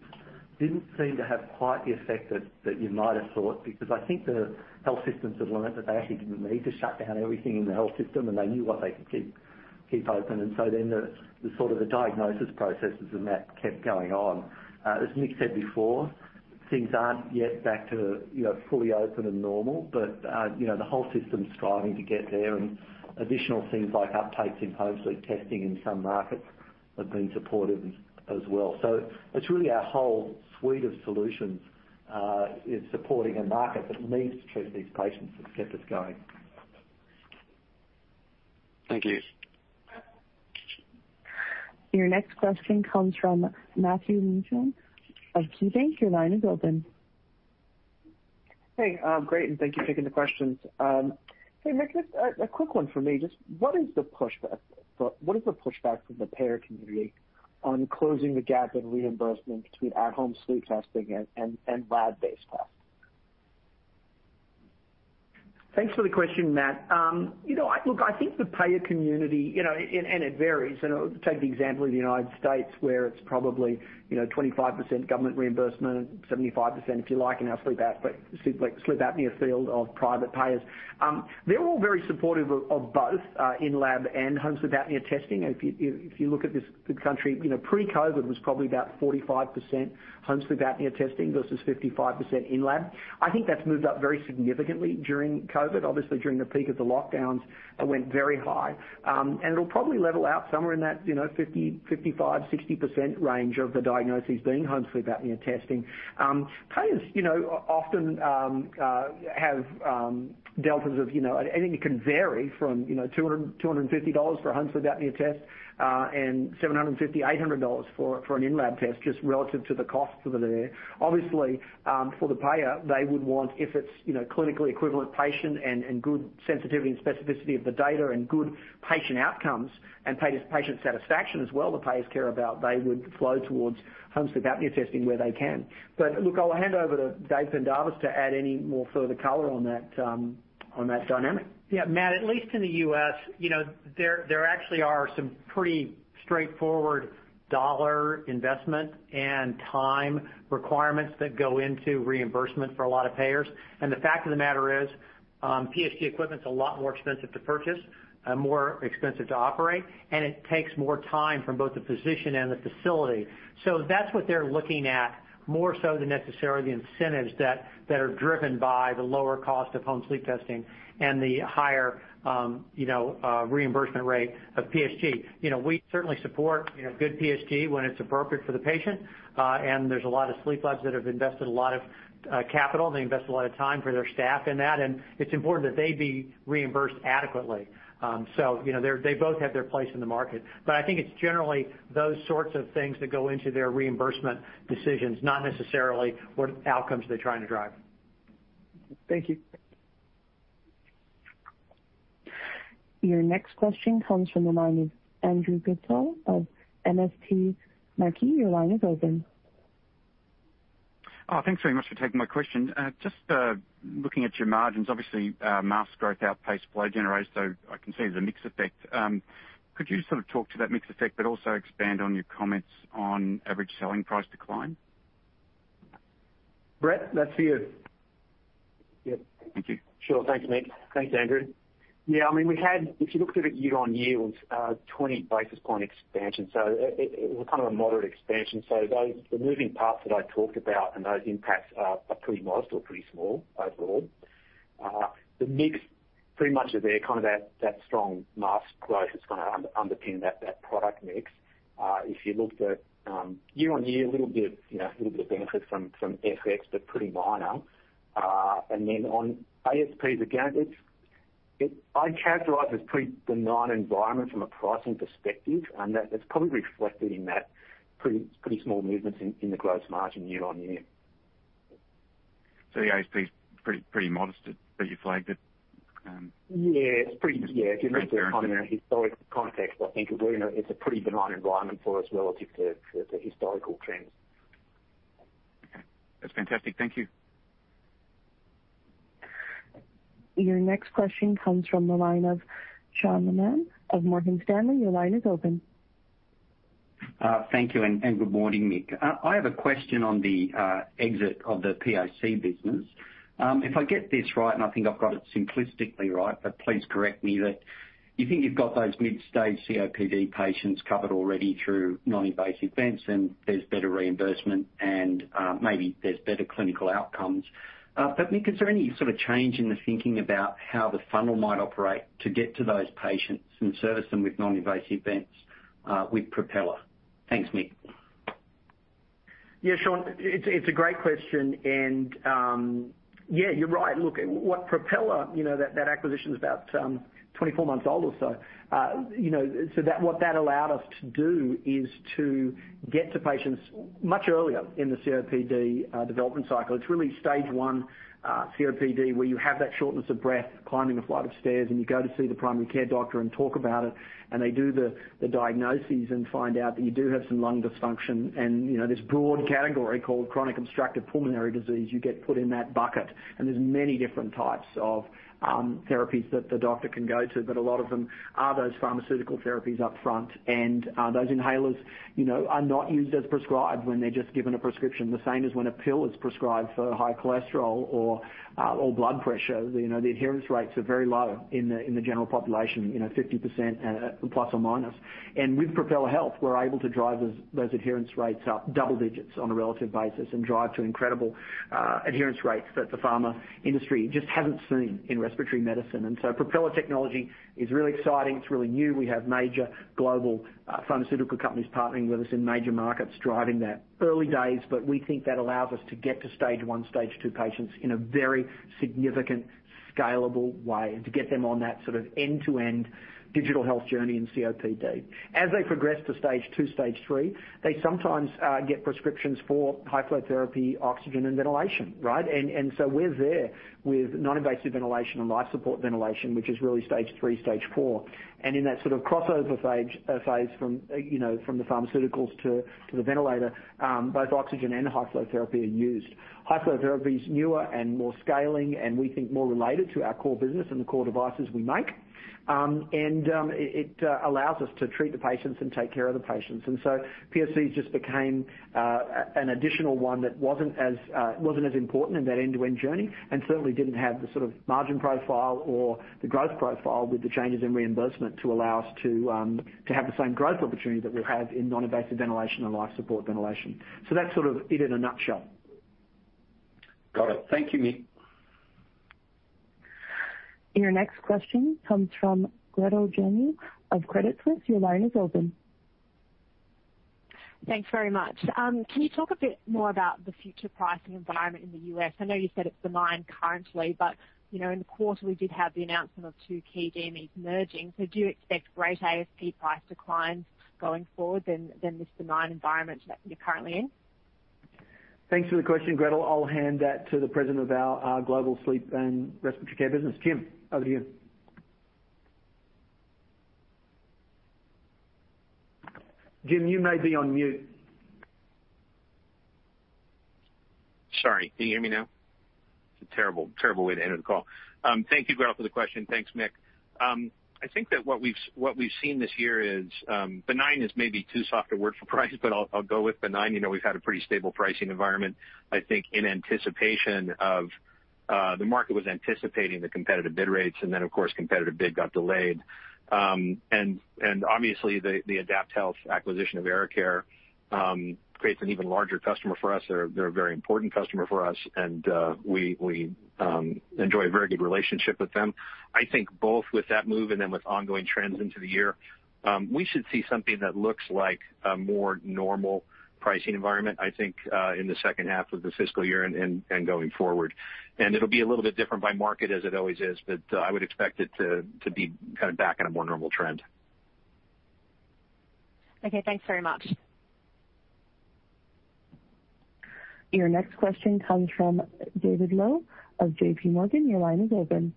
didn't seem to have quite the effect that you might have thought, because I think the health systems have learned that they actually didn't need to shut down everything in the health system, and they knew what they could keep open. The sort of the diagnosis processes and that kept going on. As Mick said before, things aren't yet back to fully open and normal, but the whole system's striving to get there, and additional things like uptakes in home sleep testing in some markets have been supportive as well. It's really our whole suite of solutions is supporting a market that needs to treat these patients that kept us going.
Thank you.
Your next question comes from Matthew Mishan of KeyBanc. Your line is open.
Hey. Great, thank you for taking the questions. Hey, Mick, just a quick one from me. Just what is the pushback from the payer community on closing the gap in reimbursement between at-home sleep testing and lab-based testing?
Thanks for the question, Matt. Look, I think the payer community, it varies. Take the example of the U.S., where it's probably 25% government reimbursement, 75%, if you like, in our sleep apnea field of private payers. They're all very supportive of both in-lab and home sleep apnea testing. If you look at this country, pre-COVID was probably about 45% home sleep apnea testing versus 55% in-lab. I think that's moved up very significantly during COVID. Obviously, during the peak of the lockdowns, it went very high. It'll probably level out somewhere in that 50%, 55%, 60% range of the diagnoses being home sleep apnea testing. Payers often have deltas of, I think it can vary from $250 for a home sleep apnea test, and $750, $800 for an in-lab test, just relative to the costs that are there. Obviously, for the payer, they would want, if it's clinically equivalent patient and good sensitivity and specificity of the data and good patient outcomes and patient satisfaction as well, the payers care about, they would flow towards home sleep apnea testing where they can. Look, I'll hand over to Dave Pendarvis to add any more further color on that dynamic.
Yeah, Matt, at least in the U.S., there actually are some pretty straightforward dollar investment and time requirements that go into reimbursement for a lot of payers. The fact of the matter is, PSG equipment's a lot more expensive to purchase, more expensive to operate, and it takes more time from both the physician and the facility. That's what they're looking at, more so than necessarily the incentives that are driven by the lower cost of home sleep testing and the higher reimbursement rate of PSG. We certainly support good PSG when it's appropriate for the patient. There's a lot of sleep labs that have invested a lot of capital, and they invest a lot of time for their staff in that, and it's important that they be reimbursed adequately. They both have their place in the market. I think it's generally those sorts of things that go into their reimbursement decisions, not necessarily what outcomes they're trying to drive.
Thank you.
Your next question comes from the line of Andrew Goodsall of MST Marquee. Your line is open.
Thanks very much for taking my question. Just looking at your margins, obviously, mask growth outpaced flow generation, so I can see there's a mix effect. Could you just sort of talk to that mix effect, but also expand on your comments on average selling price decline?
Brett, that's for you.
Yep.
Thank you.
Sure. Thanks, Mick. Thanks, Andrew. If you looked at it year-on-year, it was a 20-basis point expansion, so it was kind of a moderate expansion. Those, the moving parts that I talked about and those impacts are pretty modest or pretty small overall. The mix pretty much is there, kind of that strong mask growth is going to underpin that product mix. If you looked at year-on-year, a little bit of benefit from FX, but pretty minor. On ASPs, again, I'd characterize as pretty benign environment from a pricing perspective, and that's probably reflected in that pretty small movements in the gross margin year-on-year.
The ASP's pretty modest, but you flagged it.
Yeah. If you look at it from a historic context, I think it's a pretty benign environment for us relative to historical trends.
Okay. That's fantastic. Thank you.
Your next question comes from the line of Sean Laaman of Morgan Stanley. Your line is open.
Thank you. Good morning, Mick. I have a question on the exit of the POC business. If I get this right, and I think I've got it simplistically right, but please correct me, that you think you've got those mid-stage COPD patients covered already through non-invasive vents and there's better reimbursement and maybe there's better clinical outcomes. Mick, is there any sort of change in the thinking about how the funnel might operate to get to those patients and service them with non-invasive vents with Propeller? Thanks, Mick.
Yeah, Sean, it's a great question. Yeah, you're right. Look, what Propeller, that acquisition's about 24 months old or so. What that allowed us to do is to get to patients much earlier in the COPD development cycle. It's really Stage 1 COPD, where you have that shortness of breath climbing a flight of stairs, and you go to see the primary care doctor and talk about it, and they do the diagnoses and find out that you do have some lung dysfunction. This broad category called chronic obstructive pulmonary disease, you get put in that bucket. There's many different types of therapies that the doctor can go to, but a lot of them are those pharmaceutical therapies up front. Those inhalers are not used as prescribed when they're just given a prescription, the same as when a pill is prescribed for high cholesterol or blood pressure. The adherence rates are very low in the general population, ±50%. With Propeller Health, we're able to drive those adherence rates up double digits on a relative basis and drive to incredible adherence rates that the pharma industry just hasn't seen in respiratory medicine. Propeller Technology is really exciting. It's really new. We have major global pharmaceutical companies partnering with us in major markets driving that. Early days, but we think that allows us to get to Stage 1, Stage 2 patients in a very significant, scalable way, and to get them on that sort of end-to-end digital health journey in COPD. As they progress to Stage 2, Stage 3, they sometimes get prescriptions for high flow therapy, oxygen, and ventilation, right? We're there with non-invasive ventilation and life support ventilation, which is really Stage 3, Stage 4. In that sort of crossover phase from the pharmaceuticals to the ventilator, both oxygen and high flow therapy are used. High flow therapy is newer and more scaling and we think more related to our core business and the core devices we make. It allows us to treat the patients and take care of the patients. POCs just became an additional one that wasn't as important in that end-to-end journey, and certainly didn't have the sort of margin profile or the growth profile with the changes in reimbursement to allow us to have the same growth opportunity that we have in non-invasive ventilation and life support ventilation. That's sort of it in a nutshell.
Got it. Thank you, Mick.
Your next question comes from Gretel Janu of Credit Suisse. Your line is open.
Thanks very much. Can you talk a bit more about the future pricing environment in the U.S.? I know you said it's benign currently, but in the quarter, we did have the announcement of two key DMEs merging. Do you expect great ASP price declines going forward than this benign environment that you're currently in?
Thanks for the question, Gretel. I'll hand that to the President of our Global Sleep and Respiratory Care Business. Jim, over to you. Jim, you may be on mute.
Sorry. Can you hear me now? It's a terrible way to enter the call. Thank you, Gretel, for the question. Thanks, Mick. I think that what we've seen this year is, benign is maybe too soft a word for price, but I'll go with benign. We've had a pretty stable pricing environment. I think the market was anticipating the competitive bid rates, then, of course, competitive bid got delayed. Obviously, the AdaptHealth acquisition of AeroCare creates an even larger customer for us. They're a very important customer for us, and we enjoy a very good relationship with them. I think both with that move and then with ongoing trends into the year, we should see something that looks like a more normal pricing environment, I think, in the second half of the fiscal year and going forward. It'll be a little bit different by market as it always is, but I would expect it to be kind of back at a more normal trend.
Okay, thanks very much.
Your next question comes from David Low of JPMorgan. Your line is open.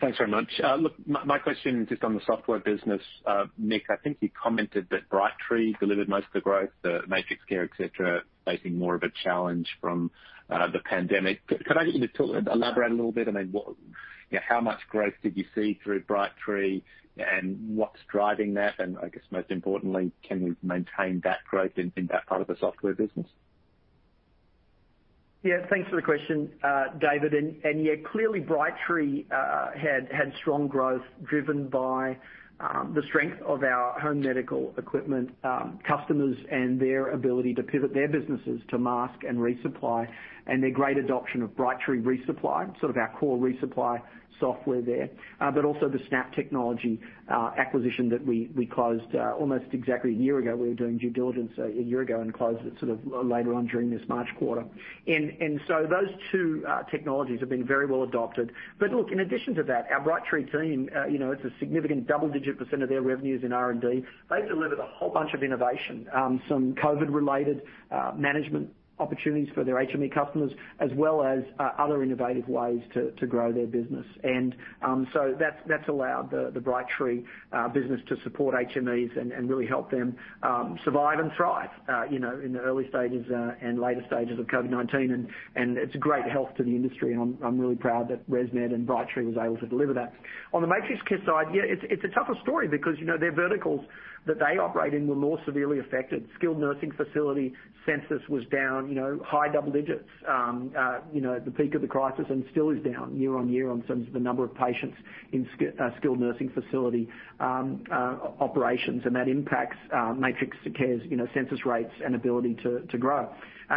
Thanks very much. Look, my question is just on the software business. Mick, I think you commented that Brightree delivered most of the growth, MatrixCare, et cetera, facing more of a challenge from the pandemic. Could I get you to elaborate a little bit? How much growth did you see through Brightree, and what's driving that? I guess most importantly, can we maintain that growth in that part of the software business?
Yeah, thanks for the question, David. Clearly Brightree had strong growth driven by the strength of our home medical equipment customers and their ability to pivot their businesses to mask and resupply and their great adoption of Brightree ReSupply, sort of our core resupply software there. Also the SNAP Technology acquisition that we closed almost exactly a year ago. We were doing due diligence a year ago and closed it sort of later on during this March quarter. So those two technologies have been very well adopted. Look, in addition to that, our Brightree team, it's a significant double-digit percentage of their revenues in R&D. They've delivered a whole bunch of innovation, some COVID-19-related management opportunities for their HME customers, as well as other innovative ways to grow their business. That's allowed the Brightree business to support HMEs and really help them survive and thrive in the early stages and later stages of COVID-19. It's a great help to the industry, and I'm really proud that ResMed and Brightree was able to deliver that. On the MatrixCare side, yeah, it's a tougher story because their verticals that they operate in were more severely affected. Skilled nursing facility census was down high double digits at the peak of the crisis and still is down year-on-year in terms of the number of patients in skilled nursing facility operations.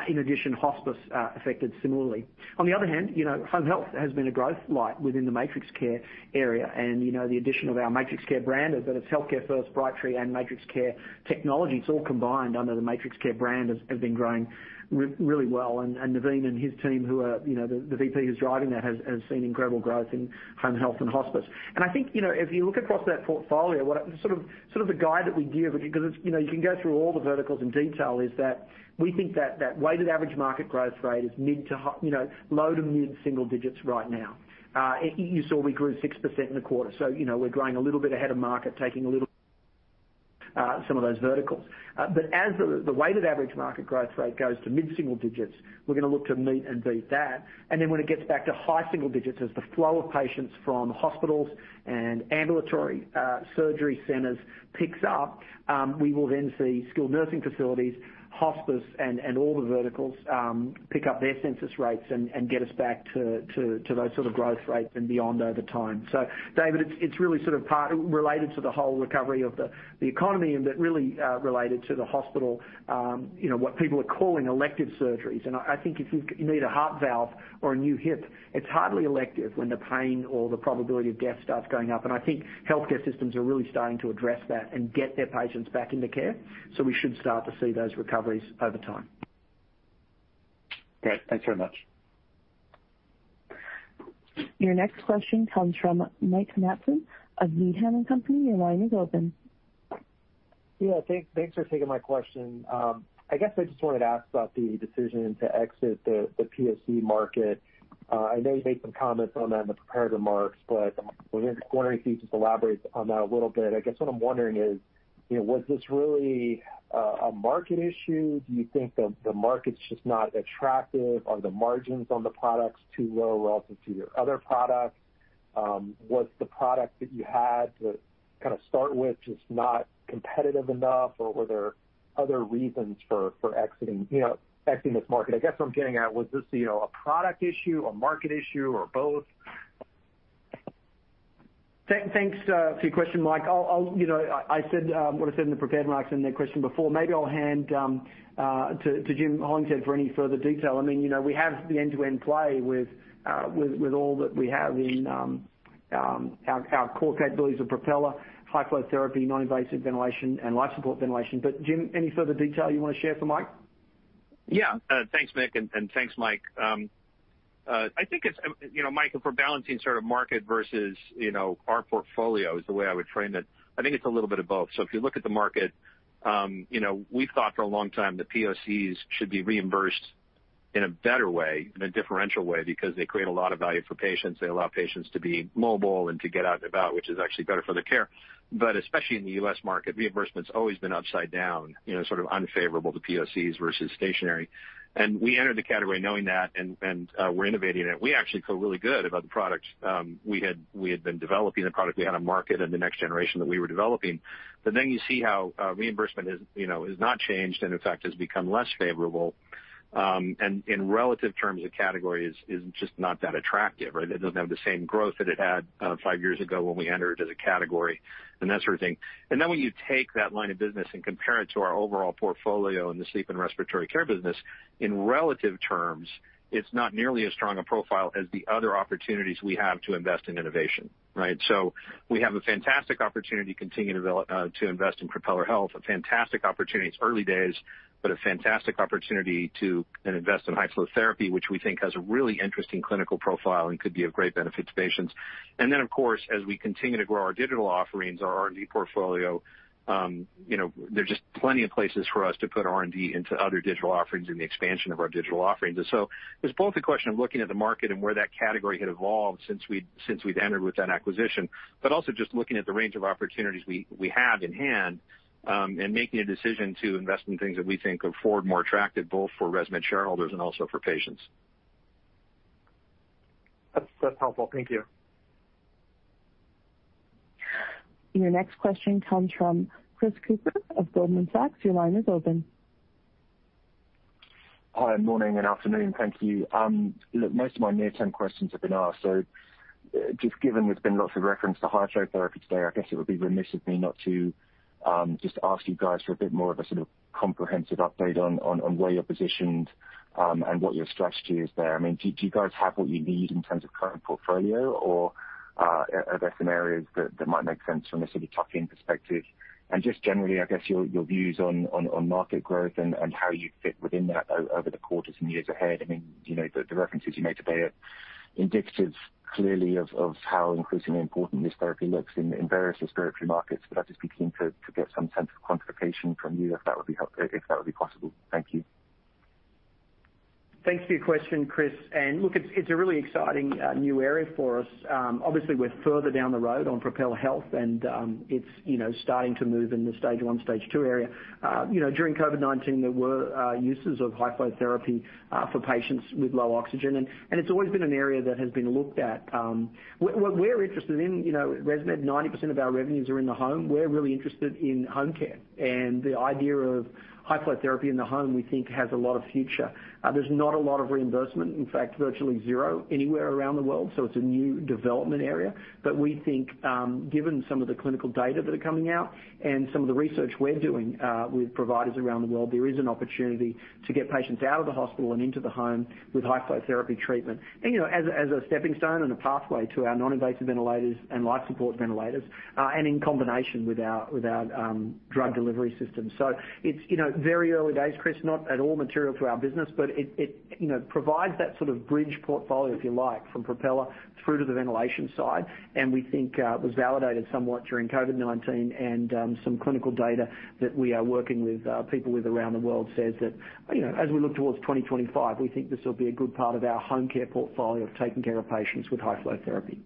In addition, hospice affected similarly. On the other hand, home health has been a growth light within the MatrixCare area, and the addition of our MatrixCare brand, as well as HEALTHCAREfirst, Brightree, and MatrixCare technology, it's all combined under the MatrixCare brand, has been growing really well. Navin and his team, the VP who's driving that, has seen incredible growth in home health and hospice. I think, if you look across that portfolio, sort of the guide that we give, because you can go through all the verticals in detail, is that we think that weighted average market growth rate is low to mid single digits right now. You saw we grew 6% in the quarter. We're growing a little bit ahead of market, taking a little share of those verticals. As the weighted average market growth rate goes to mid-single digits, we're going to look to meet and beat that. When it gets back to high single digits, as the flow of patients from hospitals and ambulatory surgery centers picks up, we will then see skilled nursing facilities, hospice, and all the verticals pick up their census rates and get us back to those sort of growth rates and beyond over time. David, it's really sort of related to the whole recovery of the economy and really related to the hospital, what people are calling elective surgeries. I think if you need a heart valve or a new hip, it's hardly elective when the pain or the probability of death starts going up. I think healthcare systems are really starting to address that and get their patients back into care. We should start to see those recoveries over time.
Great. Thanks very much.
Your next question comes from Mike Matson of Needham & Company. Your line is open.
Yeah. Thanks for taking my question. I guess I just wanted to ask about the decision to exit the POC market. I know you made some comments on that in the prepared remarks. I was wondering if you could just elaborate on that a little bit. I guess what I'm wondering is, was this really a market issue? Do you think the market's just not attractive? Are the margins on the products too low relative to your other products? Was the product that you had to kind of start with just not competitive enough? Were there other reasons for exiting this market? I guess what I'm getting at, was this a product issue, a market issue, or both?
Thanks for your question, Mike. I said what I said in the prepared remarks in that question before. Maybe I'll hand to Jim Hollingshead for any further detail. We have the end-to-end play with all that we have in our core capabilities of Propeller, high flow therapy, non-invasive ventilation, and life support ventilation. Jim, any further detail you want to share for Mike?
Thanks, Mick, and thanks, Mike. Mike, if we're balancing sort of market versus our portfolio is the way I would frame it. I think it's a little bit of both. If you look at the market, we've thought for a long time that POCs should be reimbursed in a better way, in a differential way, because they create a lot of value for patients. They allow patients to be mobile and to get out and about, which is actually better for their care. Especially in the U.S. market, reimbursement's always been upside down, sort of unfavorable to POCs versus stationary. We entered the category knowing that, and we're innovating it. We actually feel really good about the product we had been developing, the product we had on market, and the next generation that we were developing. You see how reimbursement has not changed and in fact has become less favorable. In relative terms, the category is just not that attractive. It doesn't have the same growth that it had five years ago when we entered as a category and that sort of thing. When you take that line of business and compare it to our overall portfolio in the sleep and respiratory care business, in relative terms, it's not nearly as strong a profile as the other opportunities we have to invest in innovation. We have a fantastic opportunity to continue to invest in Propeller Health, a fantastic opportunity. It's early days, but a fantastic opportunity to invest in high flow therapy, which we think has a really interesting clinical profile and could be of great benefit to patients. Then, of course, as we continue to grow our digital offerings, our R&D portfolio, there are just plenty of places for us to put R&D into other digital offerings and the expansion of our digital offerings. So it's both a question of looking at the market and where that category had evolved since we'd entered with that acquisition, but also just looking at the range of opportunities we have in hand, and making a decision to invest in things that we think are forward more attractive, both for ResMed shareholders and also for patients.
That's helpful. Thank you.
Your next question comes from Chris Cooper of Goldman Sachs. Your line is open.
Hi, morning and afternoon. Thank you. Most of my near-term questions have been asked. Just given there's been lots of reference to high flow therapy today, I guess it would be remiss of me not to just ask you guys for a bit more of a sort of comprehensive update on where you're positioned, and what your strategy is there. Do you guys have what you need in terms of current portfolio, or are there some areas that might make sense from a sort of tuck-in perspective? Just generally, I guess your views on market growth and how you fit within that over the quarters and years ahead. The references you made today are indicative clearly of how increasingly important this therapy looks in various respiratory markets. I'd just be keen to get some sense of quantification from you, if that would be possible. Thank you.
Thanks for your question, Chris. Look, it's a really exciting new area for us. Obviously, we're further down the road on Propeller Health, and it's starting to move in the stage 1, stage 2 area. During COVID-19, there were uses of high flow therapy for patients with low oxygen, and it's always been an area that has been looked at. What we're interested in, at ResMed, 90% of our revenues are in the home. We're really interested in home care and the idea of high flow therapy in the home, we think, has a lot of future. There's not a lot of reimbursement, in fact, virtually zero anywhere around the world, so it's a new development area. We think, given some of the clinical data that are coming out and some of the research we're doing with providers around the world, there is an opportunity to get patients out of the hospital and into the home with high flow therapy treatment. As a stepping stone and a pathway to our non-invasive ventilators and life support ventilators, and in combination with our drug delivery system. It's very early days, Chris, not at all material to our business, but it provides that sort of bridge portfolio, if you like, from Propeller through to the ventilation side. We think it was validated somewhat during COVID-19 and some clinical data that we are working with people with around the world says that as we look towards 2025, we think this will be a good part of our home care portfolio of taking care of patients with high flow therapy.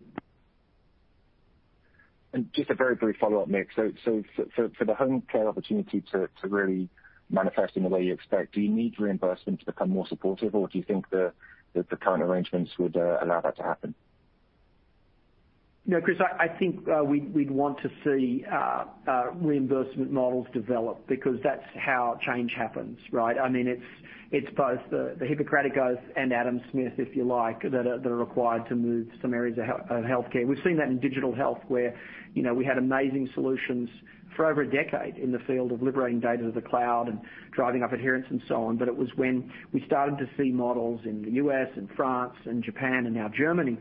Just a very brief follow-up, Mick. For the home care opportunity to really manifest in the way you expect, do you need reimbursement to become more supportive, or do you think the current arrangements would allow that to happen?
Chris, I think we'd want to see reimbursement models develop because that's how change happens. It's both the Hippocratic Oath and Adam Smith, if you like, that are required to move some areas of healthcare. We've seen that in digital health, where we had amazing solutions for over a decade in the field of liberating data to the cloud and driving up adherence and so on. But it was when we started to see models in the U.S. and France and Japan and now Germany,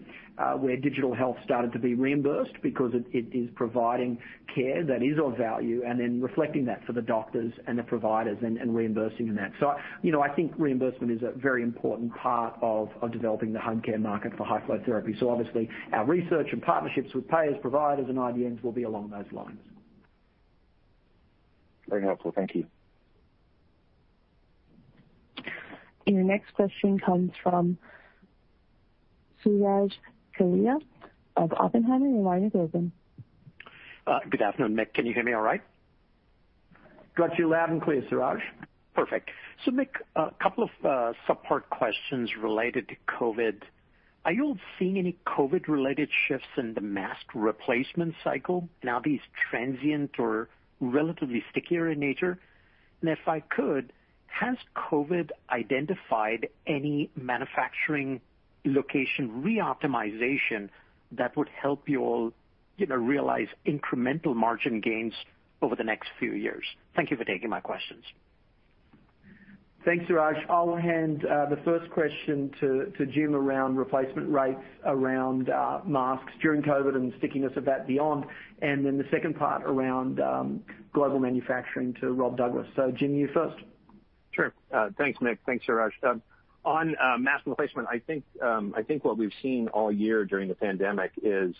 where digital health started to be reimbursed because it is providing care that is of value, and then reflecting that for the doctors and the providers and reimbursing in that. I think reimbursement is a very important part of developing the home care market for high flow therapy. Obviously, our research and partnerships with payers, providers, and IDNs will be along those lines.
Very helpful. Thank you.
Your next question comes from Suraj Kalia of Oppenheimer. Your line is open.
Good afternoon, Mick. Can you hear me all right?
Got you loud and clear, Suraj.
Perfect. Mick, a couple of sub-part questions related to COVID. Are you seeing any COVID-related shifts in the mask replacement cycle? Are these transient or relatively stickier in nature? If I could, has COVID identified any manufacturing location re-optimization that would help you all realize incremental margin gains over the next few years? Thank you for taking my questions.
Thanks, Suraj. I'll hand the first question to Jim around replacement rates, around masks during COVID and the stickiness of that beyond. The second part around global manufacturing to Rob Douglas. Jim, you first.
Sure. Thanks, Mick. Thanks, Suraj. On mask replacement, I think what we've seen all year during the pandemic is,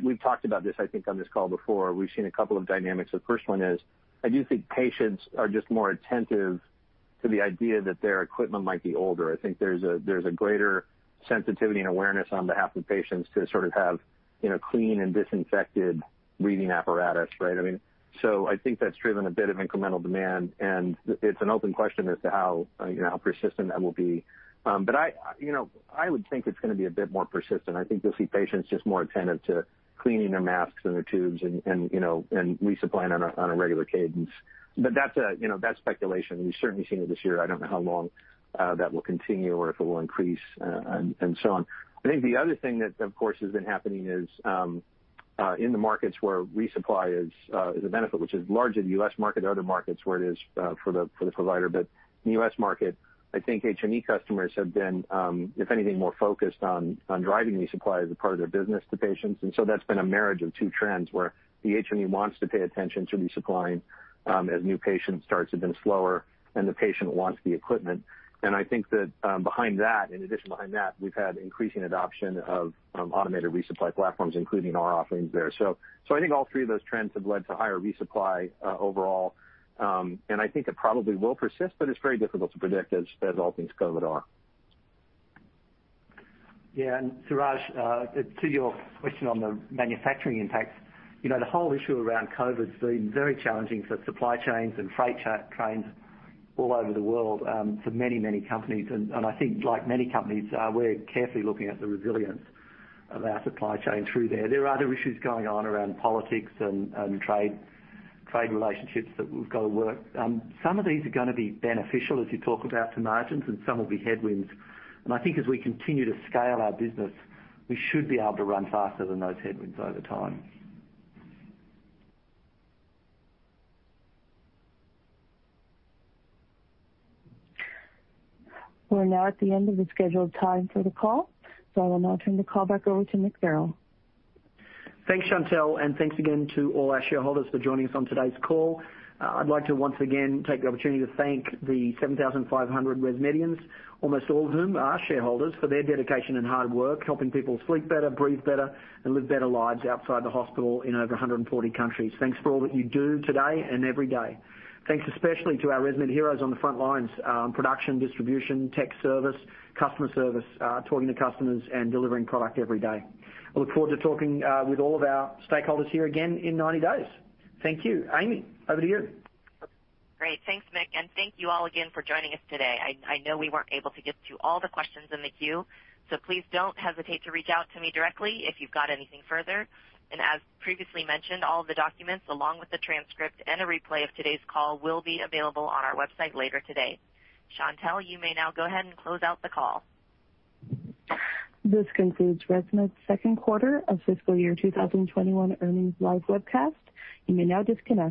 we've talked about this, I think, on this call before. We've seen a couple of dynamics. The first one is, I do think patients are just more attentive to the idea that their equipment might be older. I think there's a greater sensitivity and awareness on behalf of patients to sort of have clean and disinfected breathing apparatus, right? I think that's driven a bit of incremental demand, and it's an open question as to how persistent that will be. I would think it's going to be a bit more persistent. I think you'll see patients just more attentive to cleaning their masks and their tubes and resupplying on a regular cadence. That's speculation. We've certainly seen it this year. I don't know how long that will continue or if it will increase, and so on. I think the other thing that, of course, has been happening is, in the markets where resupply is a benefit, which is largely the U.S. market or other markets, where it is for the provider. In the U.S. market, I think HME customers have been, if anything, more focused on driving resupply as a part of their business to patients. That's been a marriage of two trends, where the HME wants to pay attention to resupplying, as new patient starts have been slower, and the patient wants the equipment. I think that behind that, in addition behind that, we've had increasing adoption of automated resupply platforms, including our offerings there. I think all three of those trends have led to higher resupply overall. I think it probably will persist, but it's very difficult to predict, as all things COVID are.
Yeah. Suraj, to your question on the manufacturing impact. The whole issue around COVID's been very challenging for supply chains and freight trains all over the world, for many companies. I think like many companies, we're carefully looking at the resilience of our supply chain through there. There are other issues going on around politics and trade relationships that we've got to work. Some of these are going to be beneficial, as you talk about, to margins, and some will be headwinds. I think as we continue to scale our business, we should be able to run faster than those headwinds over time.
We're now at the end of the scheduled time for the call. I will now turn the call back over to Mick Farrell.
Thanks, Chantelle, thanks again to all our shareholders for joining us on today's call. I'd like to once again take the opportunity to thank the 7,500 ResMedians, almost all of whom are shareholders, for their dedication and hard work helping people sleep better, breathe better, and live better lives outside the hospital in over 140 countries. Thanks for all that you do today and every day. Thanks especially to our ResMed heroes on the front lines, production, distribution, tech service, customer service, talking to customers and delivering product every day. I look forward to talking with all of our stakeholders here again in 90 days. Thank you. Amy, over to you.
Great. Thanks, Mick, and thank you all again for joining us today. I know we weren't able to get to all the questions in the queue, so please don't hesitate to reach out to me directly if you've got anything further. As previously mentioned, all of the documents, along with the transcript and a replay of today's call will be available on our website later today. Chantelle, you may now go ahead and close out the call.
This concludes ResMed's second quarter of fiscal year 2021 earnings live webcast. You may now disconnect.